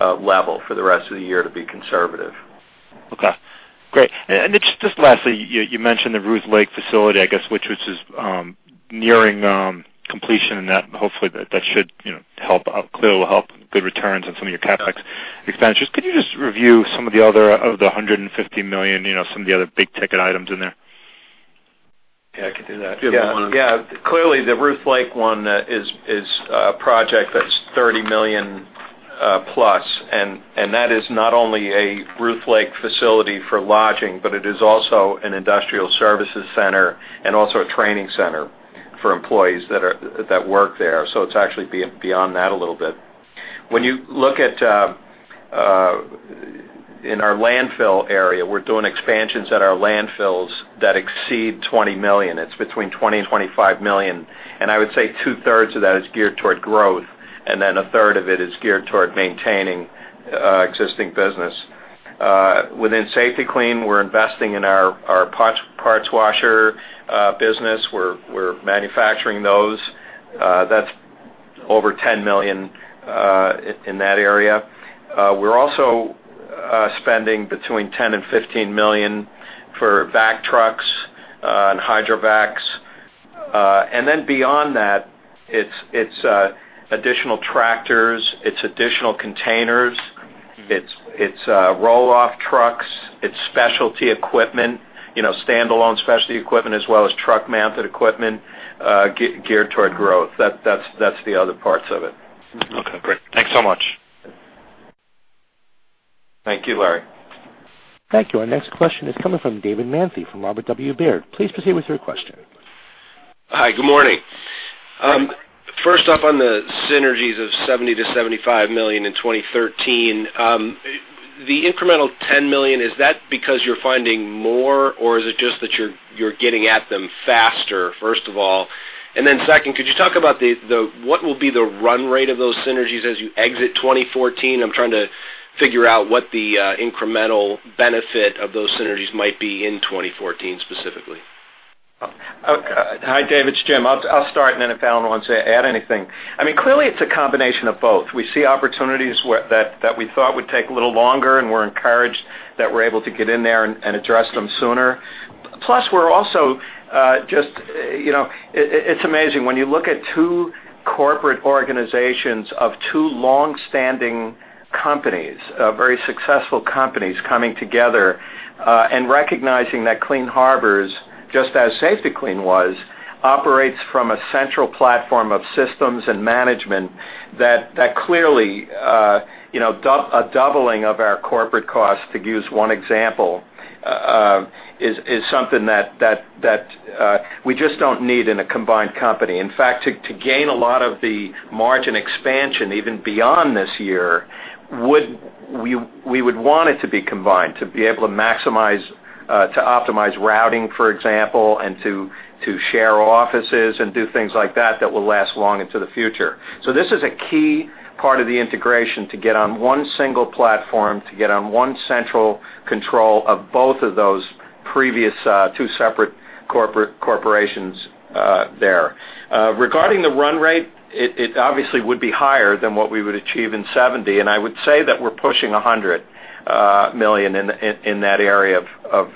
level for the rest of the year to be conservative. Okay. Great. And just lastly, you mentioned the Ruth Lake facility, I guess, which is nearing completion. And hopefully, that should help clear a good returns on some of your CapEx expenditures. Could you just review some of the other of the $150 million, some of the other big-ticket items in there? Yeah, I could do that. Yeah. Yeah. Clearly, the Ruth Lake one is a project that's $30+ million. That is not only a Ruth Lake facility for lodging, but it is also an industrial services center and also a training center for employees that work there. So it's actually beyond that a little bit. When you look at our landfill area, we're doing expansions at our landfills that exceed $20 million. It's $20-$25 million. And I would say two-thirds of that is geared toward growth. And then a third of it is geared toward maintaining existing business. Within Safety-Kleen, we're investing in our parts washer business. We're manufacturing those. That's over $10 million in that area. We're also spending $10-$15 million for vac trucks and hydrovacs. And then beyond that, it's additional tractors. It's additional containers. It's roll-off trucks. It's specialty equipment, standalone specialty equipment, as well as truck mounted equipment geared toward growth. That's the other parts of it. Okay. Great. Thanks so much. Thank you, Larry. Thank you. Our next question is coming from David Manthey from Robert W. Baird. Please proceed with your question. Hi. Good morning. First off, on the synergies of $70 million-$75 million in 2013, the incremental $10 million, is that because you're finding more, or is it just that you're getting at them faster, first of all? And then second, could you talk about what will be the run rate of those synergies as you exit 2014? I'm trying to figure out what the incremental benefit of those synergies might be in 2014 specifically. Hi, David. It's Jim. I'll start. And then if Alan wants to add anything. I mean, clearly, it's a combination of both. We see opportunities that we thought would take a little longer, and we're encouraged that we're able to get in there and address them sooner. Plus, we're also just. It's amazing. When you look at two corporate organizations of two long-standing companies, very successful companies coming together and recognizing that Clean Harbors, just as Safety-Kleen was, operates from a central platform of systems and management that clearly a doubling of our corporate costs, to use one example, is something that we just don't need in a combined company. In fact, to gain a lot of the margin expansion even beyond this year, we would want it to be combined to be able to maximize to optimize routing, for example, and to share offices and do things like that that will last long into the future. So this is a key part of the integration to get on one single platform, to get on one central control of both of those previous two separate corporations there. Regarding the run rate, it obviously would be higher than what we would achieve in 70. And I would say that we're pushing $100 million in that area of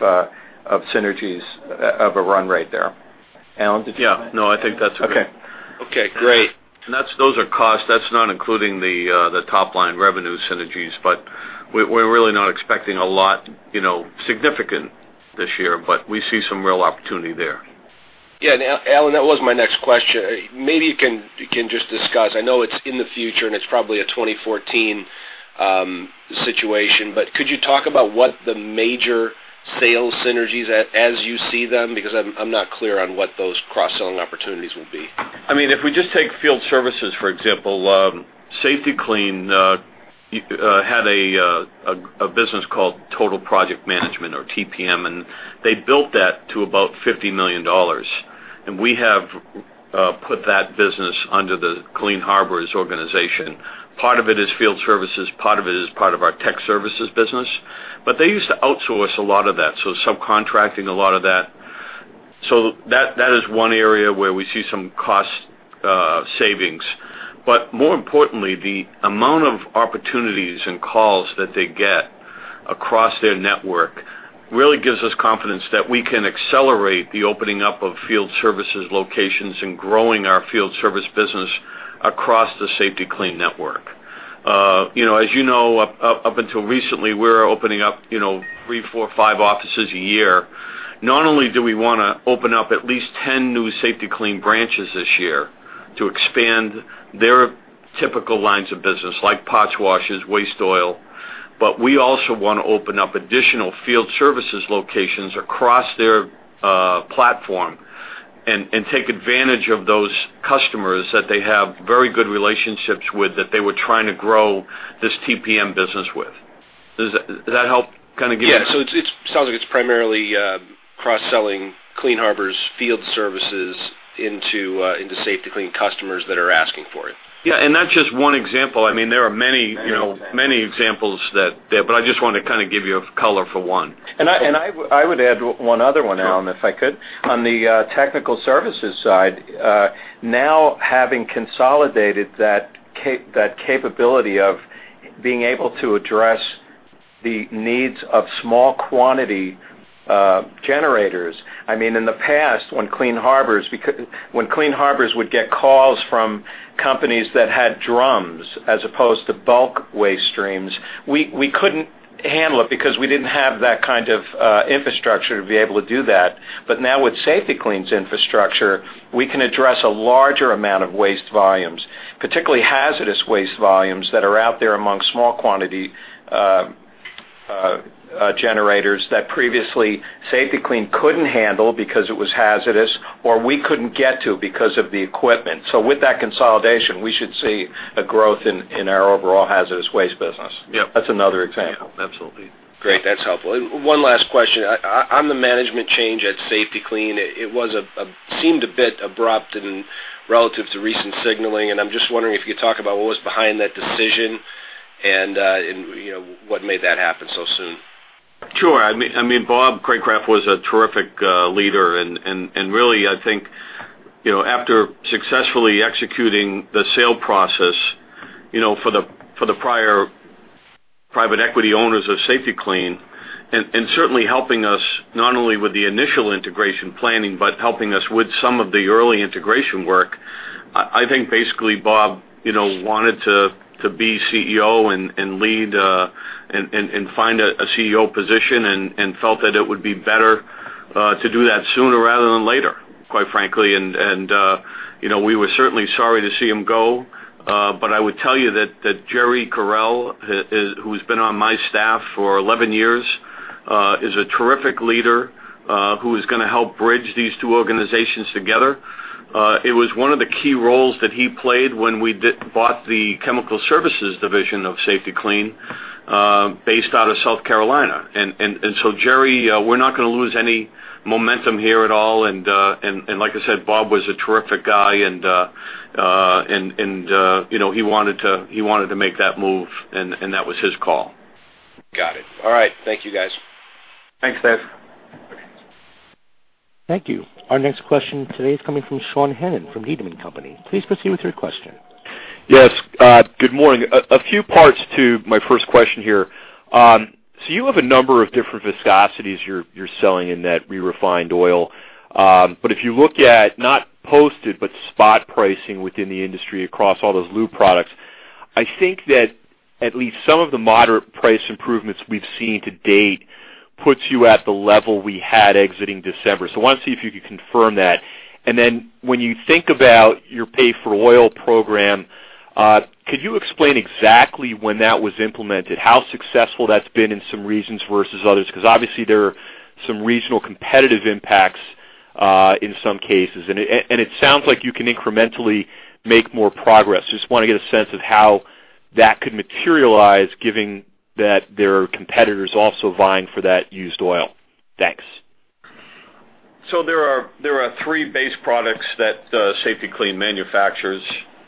synergies, of a run rate there. Alan, did you? Yeah. No, I think that's good. Okay. Okay. Great. Those are costs. That's not including the top-line revenue synergies. We're really not expecting a lot significant this year. We see some real opportunity there. Yeah. And Alan, that was my next question. Maybe you can just discuss. I know it's in the future, and it's probably a 2014 situation. But could you talk about what the major sales synergies as you see them? Because I'm not clear on what those cross-selling opportunities will be. I mean, if we just take field services, for example, Safety-Kleen had a business called Total Project Management, or TPM. They built that to about $50 million. We have put that business under the Clean Harbors organization. Part of it is field services. Part of it is part of our tech services business. They used to outsource a lot of that, so subcontracting a lot of that. That is one area where we see some cost savings. More importantly, the amount of opportunities and calls that they get across their network really gives us confidence that we can accelerate the opening up of field services locations and growing our field service business across the Safety-Kleen network. As you know, up until recently, we were opening up three, four, five offices a year. Not only do we want to open up at least 10 new Safety-Kleen branches this year to expand their typical lines of business, like parts washers, waste oil, but we also want to open up additional field services locations across their platform and take advantage of those customers that they have very good relationships with that they were trying to grow this TPM business with. Does that help kind of get? Yeah. So it sounds like it's primarily cross-selling Clean Harbors field services into Safety-Kleen customers that are asking for it. Yeah. That's just one example. I mean, there are many examples out there. But I just wanted to kind of give you a color for one. And I would add one other one, Alan, if I could. On the technical services side, now having consolidated that capability of being able to address the needs of small quantity generators, I mean, in the past, when Clean Harbors would get calls from companies that had drums as opposed to bulk waste streams, we couldn't handle it because we didn't have that kind of infrastructure to be able to do that. But now with Safety-Kleen's infrastructure, we can address a larger amount of waste volumes, particularly hazardous waste volumes that are out there among small quantity generators that previously Safety-Kleen couldn't handle because it was hazardous or we couldn't get to because of the equipment. So with that consolidation, we should see a growth in our overall hazardous waste business. That's another example. Absolutely. Great. That's helpful. One last question. On the management change at Safety-Kleen, it seemed a bit abrupt relative to recent signaling. And I'm just wondering if you could talk about what was behind that decision and what made that happen so soon. Sure. I mean, Bob Craycraft was a terrific leader. And really, I think after successfully executing the sale process for the prior private equity owners of Safety-Kleen and certainly helping us not only with the initial integration planning but helping us with some of the early integration work, I think basically Bob wanted to be CEO and lead and find a CEO position and felt that it would be better to do that sooner rather than later, quite frankly. And we were certainly sorry to see him go. But I would tell you that Jerry Correll, who's been on my staff for 11 years, is a terrific leader who is going to help bridge these two organizations together. It was one of the key roles that he played when we bought the Chemical Services Division of Safety-Kleen based out of South Carolina. So Jerry, we're not going to lose any momentum here at all. Like I said, Bob was a terrific guy. He wanted to make that move. That was his call. Got it. All right. Thank you, guys. Thanks, Dave. Thank you. Our next question today is coming from Sean Hannan from Needham & Company. Please proceed with your question. Yes. Good morning. A few parts to my first question here. So you have a number of different viscosities you're selling in that re-refined oil. But if you look at not posted but spot pricing within the industry across all those lube products, I think that at least some of the moderate price improvements we've seen to date puts you at the level we had exiting December. So I want to see if you could confirm that. And then when you think about your Pay-for-Oil program, could you explain exactly when that was implemented, how successful that's been in some regions versus others? Because obviously, there are some regional competitive impacts in some cases. And it sounds like you can incrementally make more progress. Just want to get a sense of how that could materialize given that there are competitors also vying for that used oil. Thanks. So there are 3 base products that Safety-Kleen manufactures.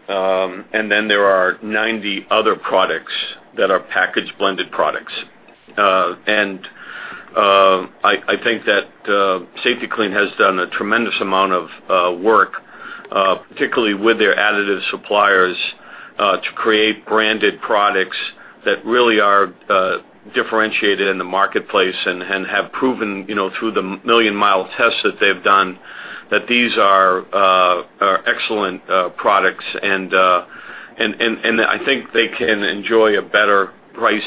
And then there are 90 other products that are packaged blended products. And I think that Safety-Kleen has done a tremendous amount of work, particularly with their additive suppliers, to create branded products that really are differentiated in the marketplace and have proven through the Million Mile tests that they've done that these are excellent products. And I think they can enjoy a better price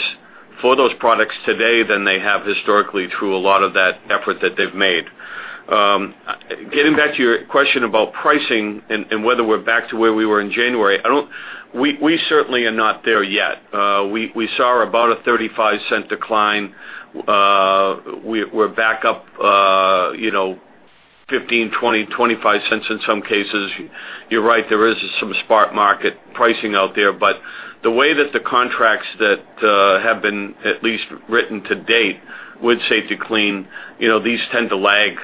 for those products today than they have historically through a lot of that effort that they've made. Getting back to your question about pricing and whether we're back to where we were in January, we certainly are not there yet. We saw about a $0.35 decline. We're back up $0.15, $0.20, $0.25 in some cases. You're right. There is some spot market pricing out there. But the way that the contracts that have been at least written to date with Safety-Kleen, these tend to lag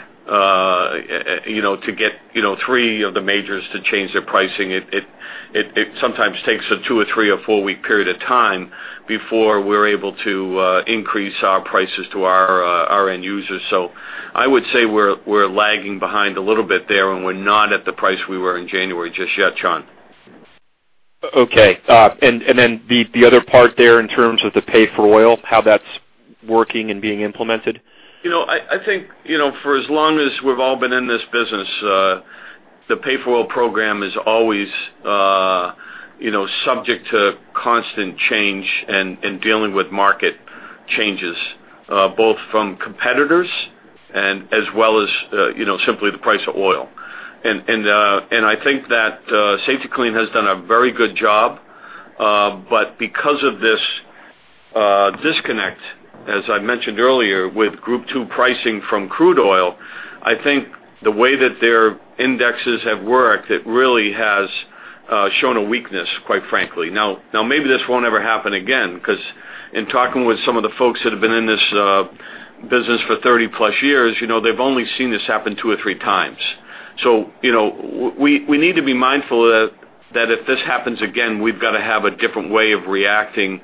to get three of the majors to change their pricing. It sometimes takes a two or three or four-week period of time before we're able to increase our prices to our end users. So I would say we're lagging behind a little bit there. And we're not at the price we were in January just yet, Sean. Okay. And then the other part there in terms of the Pay-for-Oil, how that's working and being implemented? I think for as long as we've all been in this business, the Pay-for-Oil program is always subject to constant change and dealing with market changes, both from competitors as well as simply the price of oil. I think that Safety-Kleen has done a very good job. Because of this disconnect, as I mentioned earlier, with Group II pricing from crude oil, I think the way that their indexes have worked, it really has shown a weakness, quite frankly. Now, maybe this won't ever happen again. Because in talking with some of the folks that have been in this business for 30+ years, they've only seen this happen two or three times. We need to be mindful that if this happens again, we've got to have a different way of reacting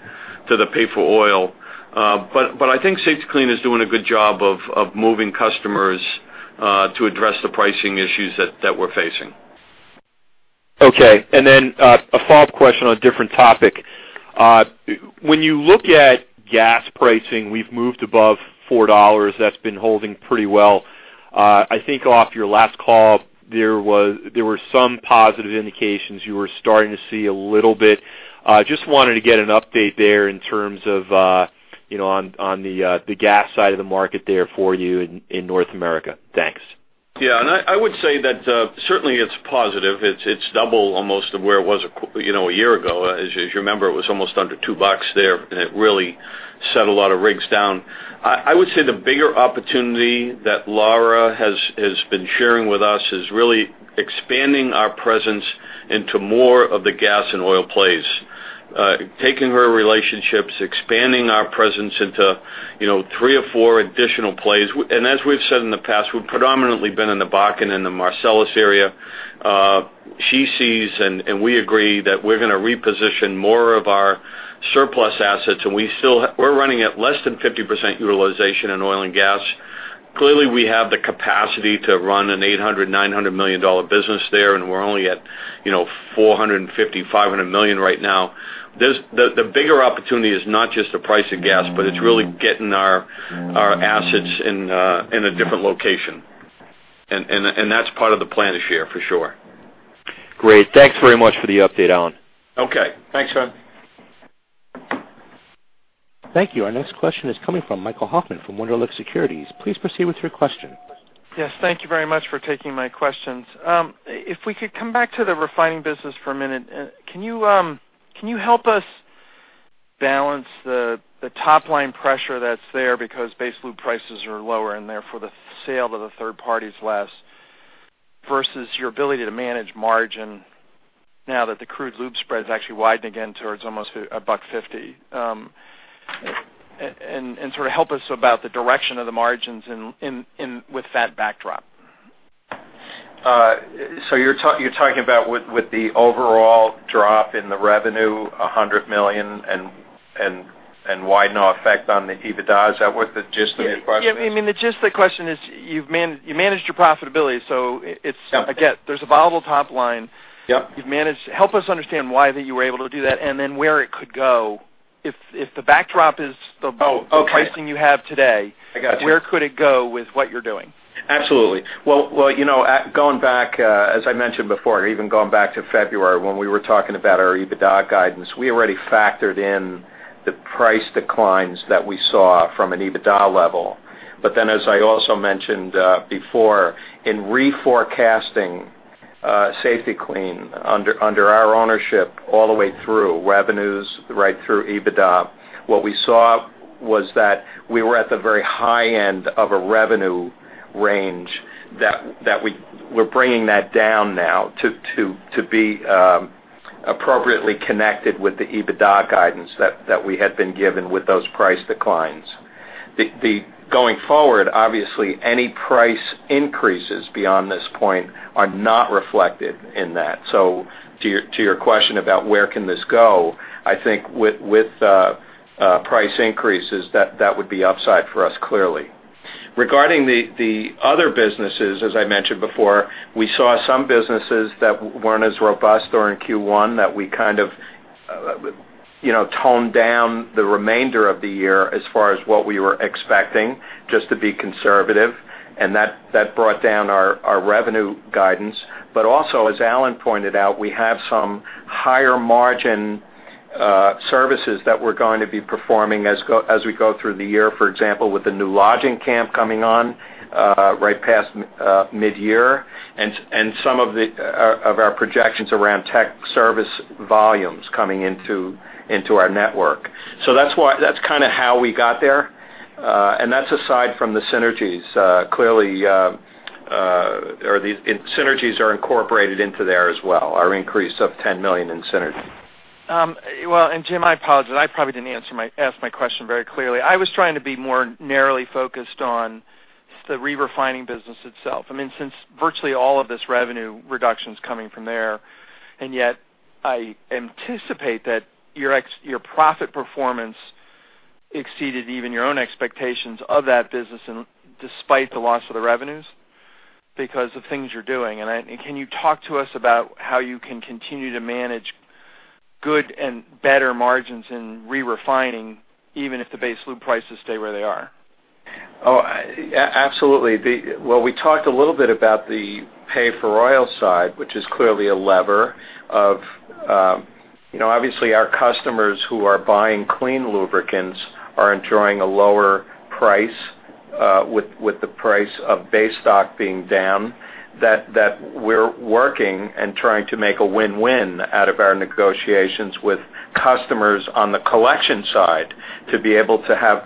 to the Pay-for-Oil. But I think Safety-Kleen is doing a good job of moving customers to address the pricing issues that we're facing. Okay. And then a follow-up question on a different topic. When you look at gas pricing, we've moved above $4. That's been holding pretty well. I think off your last call, there were some positive indications. You were starting to see a little bit. Just wanted to get an update there in terms of on the gas side of the market there for you in North America. Thanks. Yeah. And I would say that certainly it's positive. It's double almost of where it was a year ago. As you remember, it was almost under $2 there. And it really set a lot of rigs down. I would say the bigger opportunity that Laura has been sharing with us is really expanding our presence into more of the gas and oil plays, taking her relationships, expanding our presence into three or four additional plays. And as we've said in the past, we've predominantly been in the Bakken and the Marcellus area. She sees, and we agree, that we're going to reposition more of our surplus assets. And we're running at less than 50% utilization in oil and gas. Clearly, we have the capacity to run an $800 million-$900 million business there. And we're only at $450-$500 million right now. The bigger opportunity is not just the price of gas, but it's really getting our assets in a different location. That's part of the plan this year, for sure. Great. Thanks very much for the update, Alan. Okay. Thanks, Sean. Thank you. Our next question is coming from Michael Hoffman from Wunderlich Securities. Please proceed with your question. Yes. Thank you very much for taking my questions. If we could come back to the refining business for a minute, can you help us balance the top-line pressure that's there because base lube prices are lower and therefore the sale to the third party is less versus your ability to manage margin now that the crude-to-lube spread is actually widening again towards almost $1.50? And sort of help us about the direction of the margins with that backdrop. You're talking about the overall drop in the revenue, $100 million, and what the net effect on the EBITDA. Is that what the gist of your question is? Yeah. I mean, the gist of the question is you managed your profitability. So again, there's a volatile top line. Help us understand why that you were able to do that and then where it could go? If the backdrop is the pricing you have today, where could it go with what you're doing? Absolutely. Well, going back, as I mentioned before, even going back to February when we were talking about our EBITDA guidance, we already factored in the price declines that we saw from an EBITDA level. But then, as I also mentioned before, in reforecasting Safety-Kleen under our ownership all the way through revenues, right through EBITDA, what we saw was that we were at the very high end of a revenue range that we're bringing that down now to be appropriately connected with the EBITDA guidance that we had been given with those price declines. Going forward, obviously, any price increases beyond this point are not reflected in that. So to your question about where can this go, I think with price increases, that would be upside for us clearly. Regarding the other businesses, as I mentioned before, we saw some businesses that weren't as robust or in Q1 that we kind of toned down the remainder of the year as far as what we were expecting just to be conservative. And that brought down our revenue guidance. But also, as Alan pointed out, we have some higher margin services that we're going to be performing as we go through the year, for example, with the new lodging camp coming on right past mid-year and some of our projections around tech service volumes coming into our network. So that's kind of how we got there. And that's aside from the synergies. Clearly, the synergies are incorporated into there as well, our increase of $10 million in synergy. Well, and Jim, I apologize. I probably didn't ask my question very clearly. I was trying to be more narrowly focused on the re-refining business itself. I mean, since virtually all of this revenue reduction is coming from there, and yet I anticipate that your profit performance exceeded even your own expectations of that business despite the loss of the revenues because of things you're doing. Can you talk to us about how you can continue to manage good and better margins in re-refining even if the base oil prices stay where they are? Oh, absolutely. Well, we talked a little bit about the Pay-for-Oil side, which is clearly a lever of obviously, our customers who are buying clean lubricants are enjoying a lower price with the price of base stock being down, that we're working and trying to make a win-win out of our negotiations with customers on the collection side to be able to have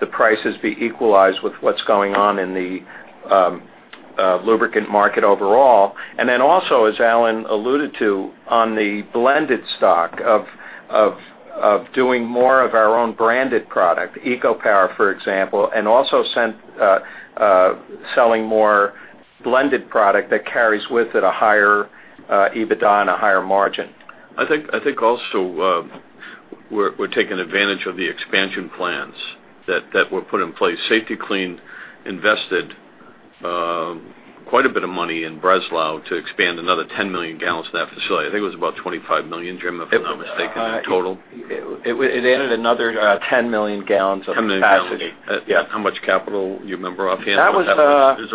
the prices be equalized with what's going on in the lubricant market overall. And then also, as Alan alluded to, on the blended stock of doing more of our own branded product, EcoPower, for example, and also selling more blended product that carries with it a higher EBITDA and a higher margin. I think also we're taking advantage of the expansion plans that were put in place. Safety-Kleen invested quite a bit of money in Breslau to expand another 10 million gallons in that facility. I think it was about $25 million, Jim, if I'm not mistaken, in total. It added another 10 million gallons of capacity. $10 million. Yeah. How much capital, you remember offhand? That was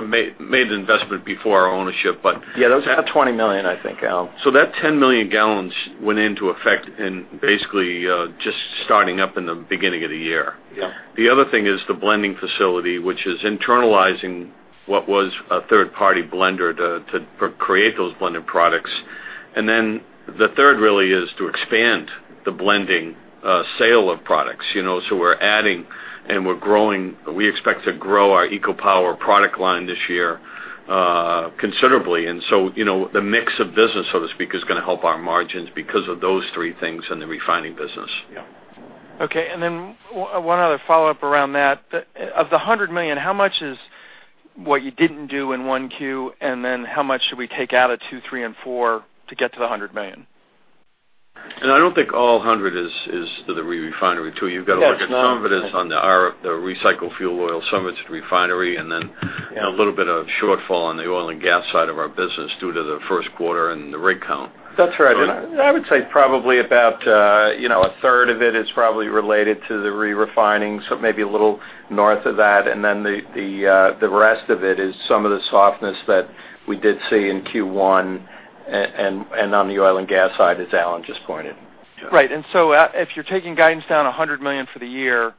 a major investment before our ownership, but. Yeah. Those are about $20 million, I think, Alan. So that 10 million gallons went into effect in basically just starting up in the beginning of the year. The other thing is the blending facility, which is internalizing what was a third-party blender to create those blended products. And then the third really is to expand the blending sale of products. So we're adding and we're growing. We expect to grow our EcoPower product line this year considerably. And so the mix of business, so to speak, is going to help our margins because of those three things and the refining business. Okay. And then one other follow-up around that. Of the $100 million, how much is what you didn't do in one Q? And then how much should we take out of two, three, and four to get to the $100 million? I don't think all 100 is to the refinery too. You've got to look at some of it as on the recycled fuel oil, some of it's refinery, and then a little bit of shortfall on the oil and gas side of our business due to the first quarter and the rig count. That's right. I would say probably about a third of it is probably related to the re-refining, so maybe a little north of that. And then the rest of it is some of the softness that we did see in Q1 and on the oil and gas side as Alan just pointed. Right. So if you're taking guidance down $100 million for the year,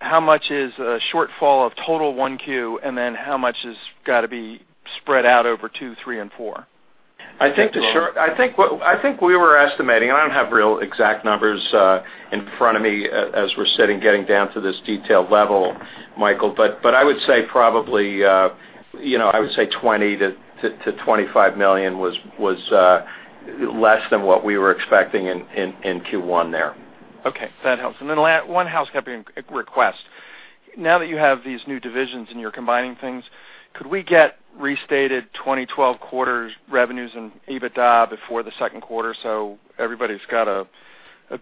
how much is a shortfall of total 1Q? And then how much has got to be spread out over 2, 3, and 4? I think we were estimating. I don't have real exact numbers in front of me as we're sitting getting down to this detailed level, Michael. But I would say probably $20-$25 million was less than what we were expecting in Q1 there. Okay. That helps. And then one housekeeping request. Now that you have these new divisions and you're combining things, could we get restated 2012 quarter revenues and EBITDA before the second quarter? So everybody's got a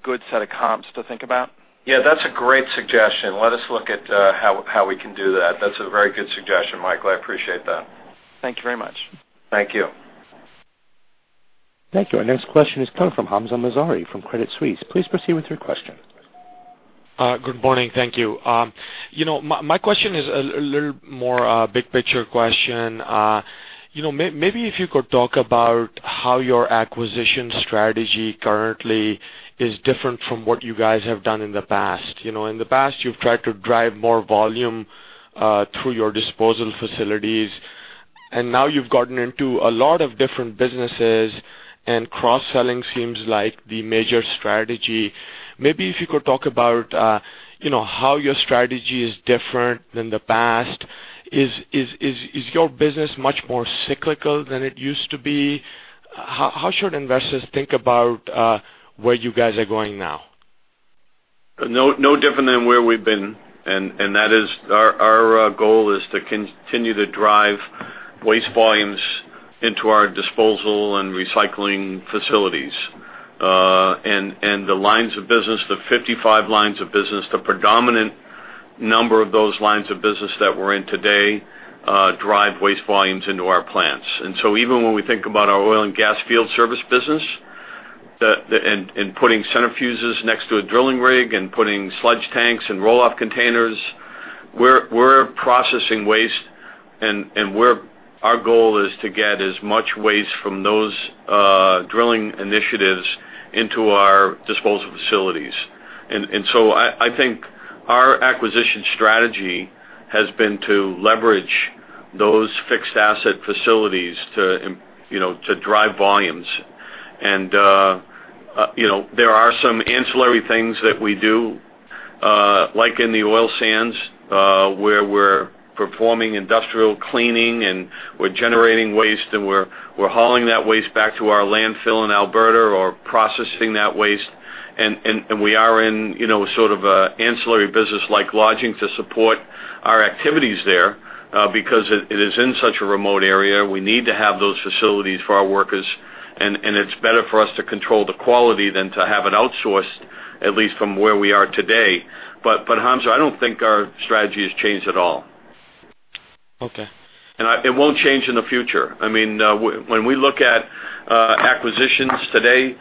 good set of comps to think about. Yeah. That's a great suggestion. Let us look at how we can do that. That's a very good suggestion, Michael. I appreciate that. Thank you very much. Thank you. Thank you. Our next question is coming from Hamzah Mazari from Credit Suisse. Please proceed with your question. Good morning. Thank you. My question is a little more big picture question. Maybe if you could talk about how your acquisition strategy currently is different from what you guys have done in the past. In the past, you've tried to drive more volume through your disposal facilities. And now you've gotten into a lot of different businesses, and cross-selling seems like the major strategy. Maybe if you could talk about how your strategy is different than the past. Is your business much more cyclical than it used to be? How should investors think about where you guys are going now? No different than where we've been. Our goal is to continue to drive waste volumes into our disposal and recycling facilities. The lines of business, the 55 lines of business, the predominant number of those lines of business that we're in today drive waste volumes into our plants. So even when we think about our oil and gas field service business and putting centrifuges next to a drilling rig and putting sludge tanks and roll-off containers, we're processing waste. Our goal is to get as much waste from those drilling initiatives into our disposal facilities. So I think our acquisition strategy has been to leverage those fixed asset facilities to drive volumes. There are some ancillary things that we do, like in the oil sands where we're performing industrial cleaning and we're generating waste and we're hauling that waste back to our landfill in Alberta or processing that waste. We are in sort of an ancillary business like lodging to support our activities there because it is in such a remote area. We need to have those facilities for our workers. It's better for us to control the quality than to have it outsourced, at least from where we are today. But Hamzah, I don't think our strategy has changed at all. Okay. It won't change in the future. I mean, when we look at acquisitions today,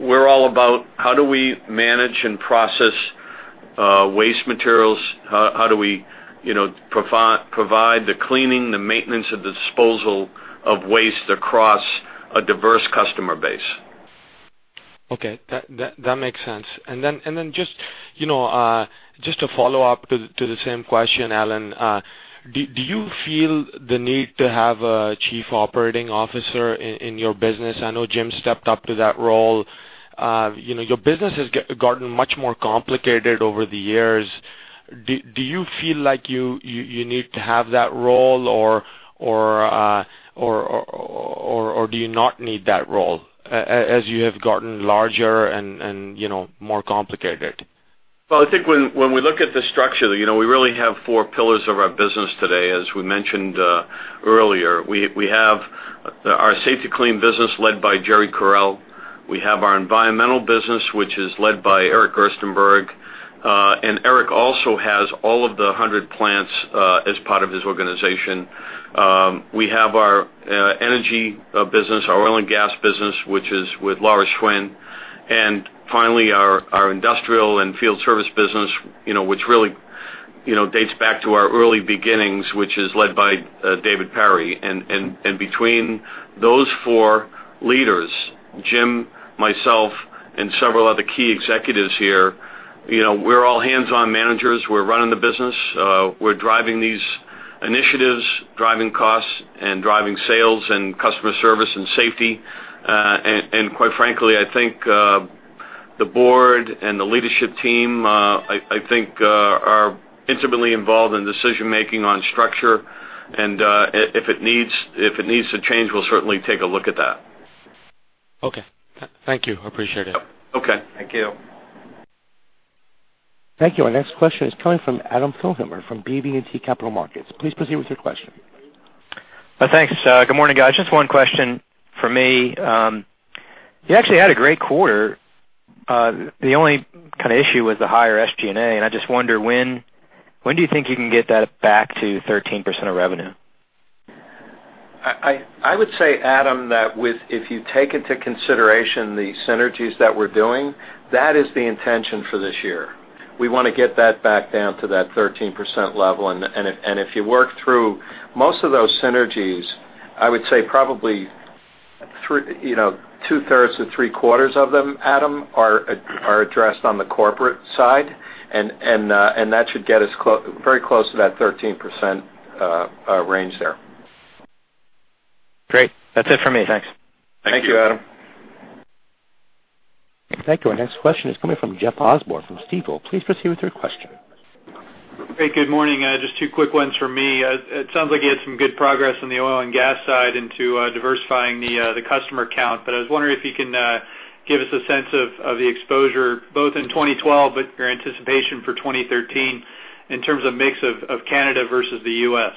we're all about how do we manage and process waste materials? How do we provide the cleaning, the maintenance, and the disposal of waste across a diverse customer base? Okay. That makes sense. And then just to follow up to the same question, Alan, do you feel the need to have a chief operating officer in your business? I know Jim stepped up to that role. Your business has gotten much more complicated over the years. Do you feel like you need to have that role or do you not need that role as you have gotten larger and more complicated? Well, I think when we look at the structure, we really have four pillars of our business today, as we mentioned earlier. We have our Safety-Kleen business led by Jerry Correll. We have our environmental business, which is led by Eric Gerstenberg. And Eric also has all of the 100 plants as part of his organization. We have our energy business, our oil and gas business, which is with Laura Schwinn. And finally, our industrial and field service business, which really dates back to our early beginnings, which is led by David Parry. And between those four leaders, Jim, myself, and several other key executives here, we're all hands-on managers. We're running the business. We're driving these initiatives, driving costs, and driving sales and customer service and safety. And quite frankly, I think the board and the leadership team, I think, are intimately involved in decision-making on structure. If it needs to change, we'll certainly take a look at that. Okay. Thank you. Appreciate it. Okay. Thank you. Thank you. Our next question is coming from Adam Thalhimer from BB&T Capital Markets. Please proceed with your question. Thanks. Good morning, guys. Just one question for me. You actually had a great quarter. The only kind of issue was the higher SG&A. And I just wonder, when do you think you can get that back to 13% of revenue? I would say, Adam, that if you take into consideration the synergies that we're doing, that is the intention for this year. We want to get that back down to that 13% level. And if you work through most of those synergies, I would say probably two-thirds to three-quarters of them, Adam, are addressed on the corporate side. And that should get us very close to that 13% range there. Great. That's it for me. Thanks. Thank you, Adam. Thank you. Our next question is coming from Jeff Osborne from Stifel. Please proceed with your question. Hey, good morning. Just two quick ones from me. It sounds like you had some good progress on the oil and gas side into diversifying the customer count. But I was wondering if you can give us a sense of the exposure both in 2012, but your anticipation for 2013 in terms of mix of Canada versus the U.S.?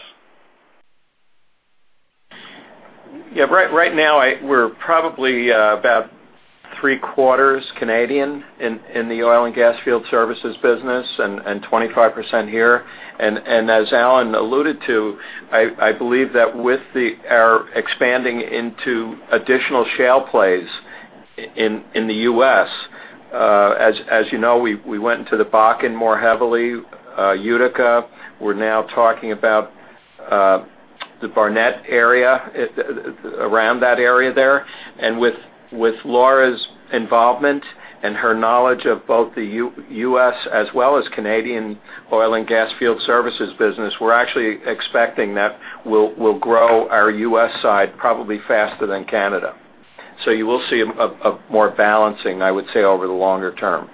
Yeah. Right now, we're probably about three-quarters Canadian in the oil and gas field services business and 25% here. As Alan alluded to, I believe that with our expanding into additional shale plays in the U.S., as you know, we went into the Bakken more heavily, Utica. We're now talking about the Barnett area, around that area there. And with Laura's involvement and her knowledge of both the U.S. as well as Canadian oil and gas field services business, we're actually expecting that we'll grow our U.S. side probably faster than Canada. So you will see more balancing, I would say, over the longer term.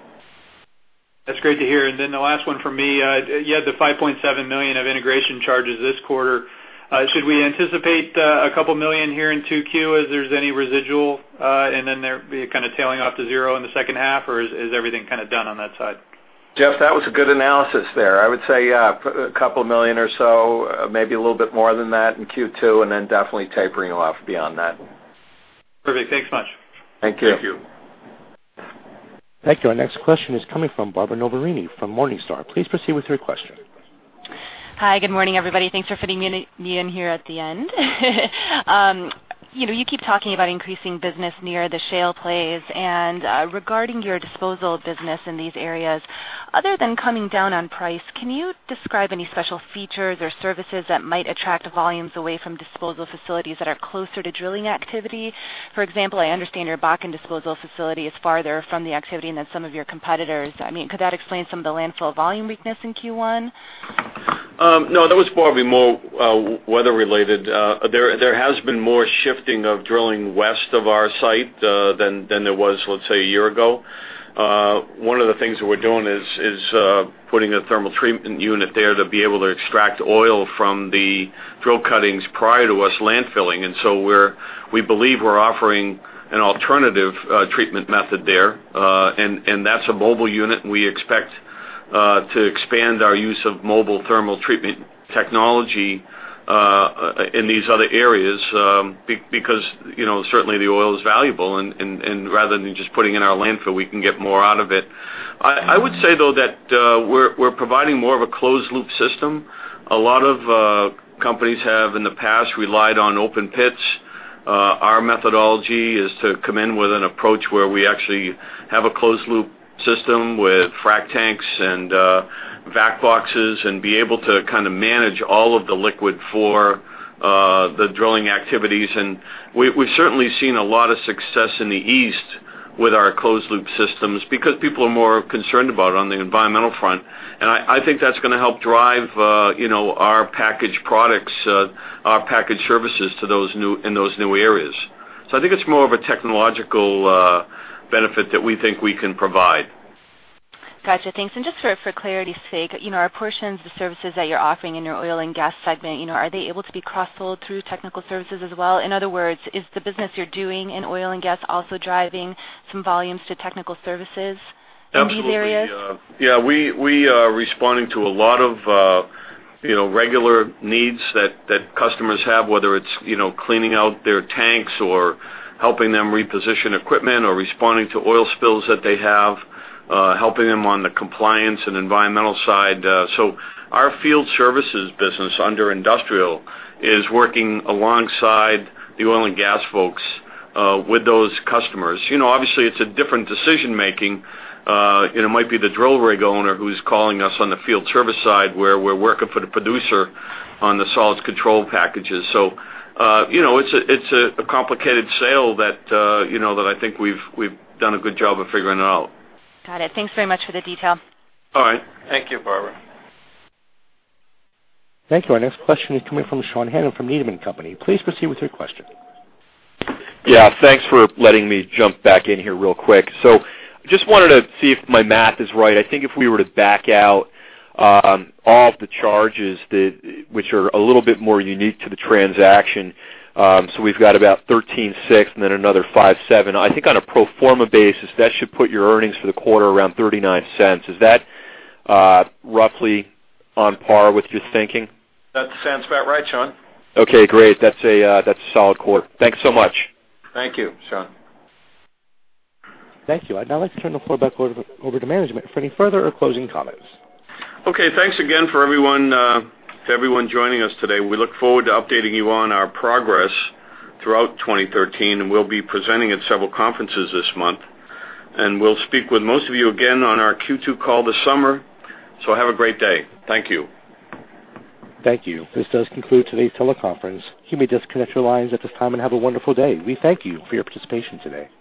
That's great to hear. Then the last one for me. You had the $5.7 million of integration charges this quarter. Should we anticipate a couple million here in 2Q as there's any residual? And then there'd be a kind of tailing off to zero in the second half? Or is everything kind of done on that side? Jeff, that was a good analysis there. I would say $2 million or so, maybe a little bit more than that in Q2, and then definitely tapering off beyond that. Perfect. Thanks much. Thank you. Thank you. Thank you. Our next question is coming from Barbara Noverini from Morningstar. Please proceed with your question. Hi. Good morning, everybody. Thanks for fitting me in here at the end. You keep talking about increasing business near the shale plays. Regarding your disposal business in these areas, other than coming down on price, can you describe any special features or services that might attract volumes away from disposal facilities that are closer to drilling activity? For example, I understand your Bakken disposal facility is farther from the activity than some of your competitors. I mean, could that explain some of the landfill volume weakness in Q1? No, that was probably more weather-related. There has been more shifting of drilling west of our site than there was, let's say, a year ago. One of the things that we're doing is putting a thermal treatment unit there to be able to extract oil from the drill cuttings prior to us landfilling. And so we believe we're offering an alternative treatment method there. And that's a mobile unit. And we expect to expand our use of mobile thermal treatment technology in these other areas because certainly the oil is valuable. And rather than just putting it in our landfill, we can get more out of it. I would say, though, that we're providing more of a closed-loop system. A lot of companies have in the past relied on open pits. Our methodology is to come in with an approach where we actually have a closed-loop system with frac tanks and vac boxes and be able to kind of manage all of the liquid for the drilling activities. We've certainly seen a lot of success in the east with our closed-loop systems because people are more concerned about it on the environmental front. I think that's going to help drive our package products, our package services in those new areas. I think it's more of a technological benefit that we think we can provide. Gotcha. Thanks. Just for clarity's sake, our portions, the services that you're offering in your oil and gas segment, are they able to be cross-sold through technical services as well? In other words, is the business you're doing in oil and gas also driving some volumes to technical services in these areas? Absolutely. Yeah. We are responding to a lot of regular needs that customers have, whether it's cleaning out their tanks or helping them reposition equipment or responding to oil spills that they have, helping them on the compliance and environmental side. So our field services business under industrial is working alongside the oil and gas folks with those customers. Obviously, it's a different decision-making. It might be the drill rig owner who's calling us on the field service side where we're working for the producer on the solids control packages. So it's a complicated sale that I think we've done a good job of figuring out. Got it. Thanks very much for the detail. All right. Thank you, Barbara. Thank you. Our next question is coming from Sean Hannan from Needham & Company. Please proceed with your question. Yeah. Thanks for letting me jump back in here real quick. I just wanted to see if my math is right. I think if we were to back out all of the charges, which are a little bit more unique to the transaction. We've got about $13.6 and then another $5.7. I think on a pro forma basis, that should put your earnings for the quarter around $0.39. Is that roughly on par with your thinking? That sounds about right, Sean. Okay. Great. That's a solid quarter. Thanks so much. Thank you, Sean. Thank you. Now, let's turn the floor back over to management for any further or closing comments. Okay. Thanks again for everyone joining us today. We look forward to updating you on our progress throughout 2013. We'll be presenting at several conferences this month. We'll speak with most of you again on our Q2 call this summer. So have a great day. Thank you. Thank you. This does conclude today's teleconference. You may disconnect your lines at this time and have a wonderful day. We thank you for your participation today.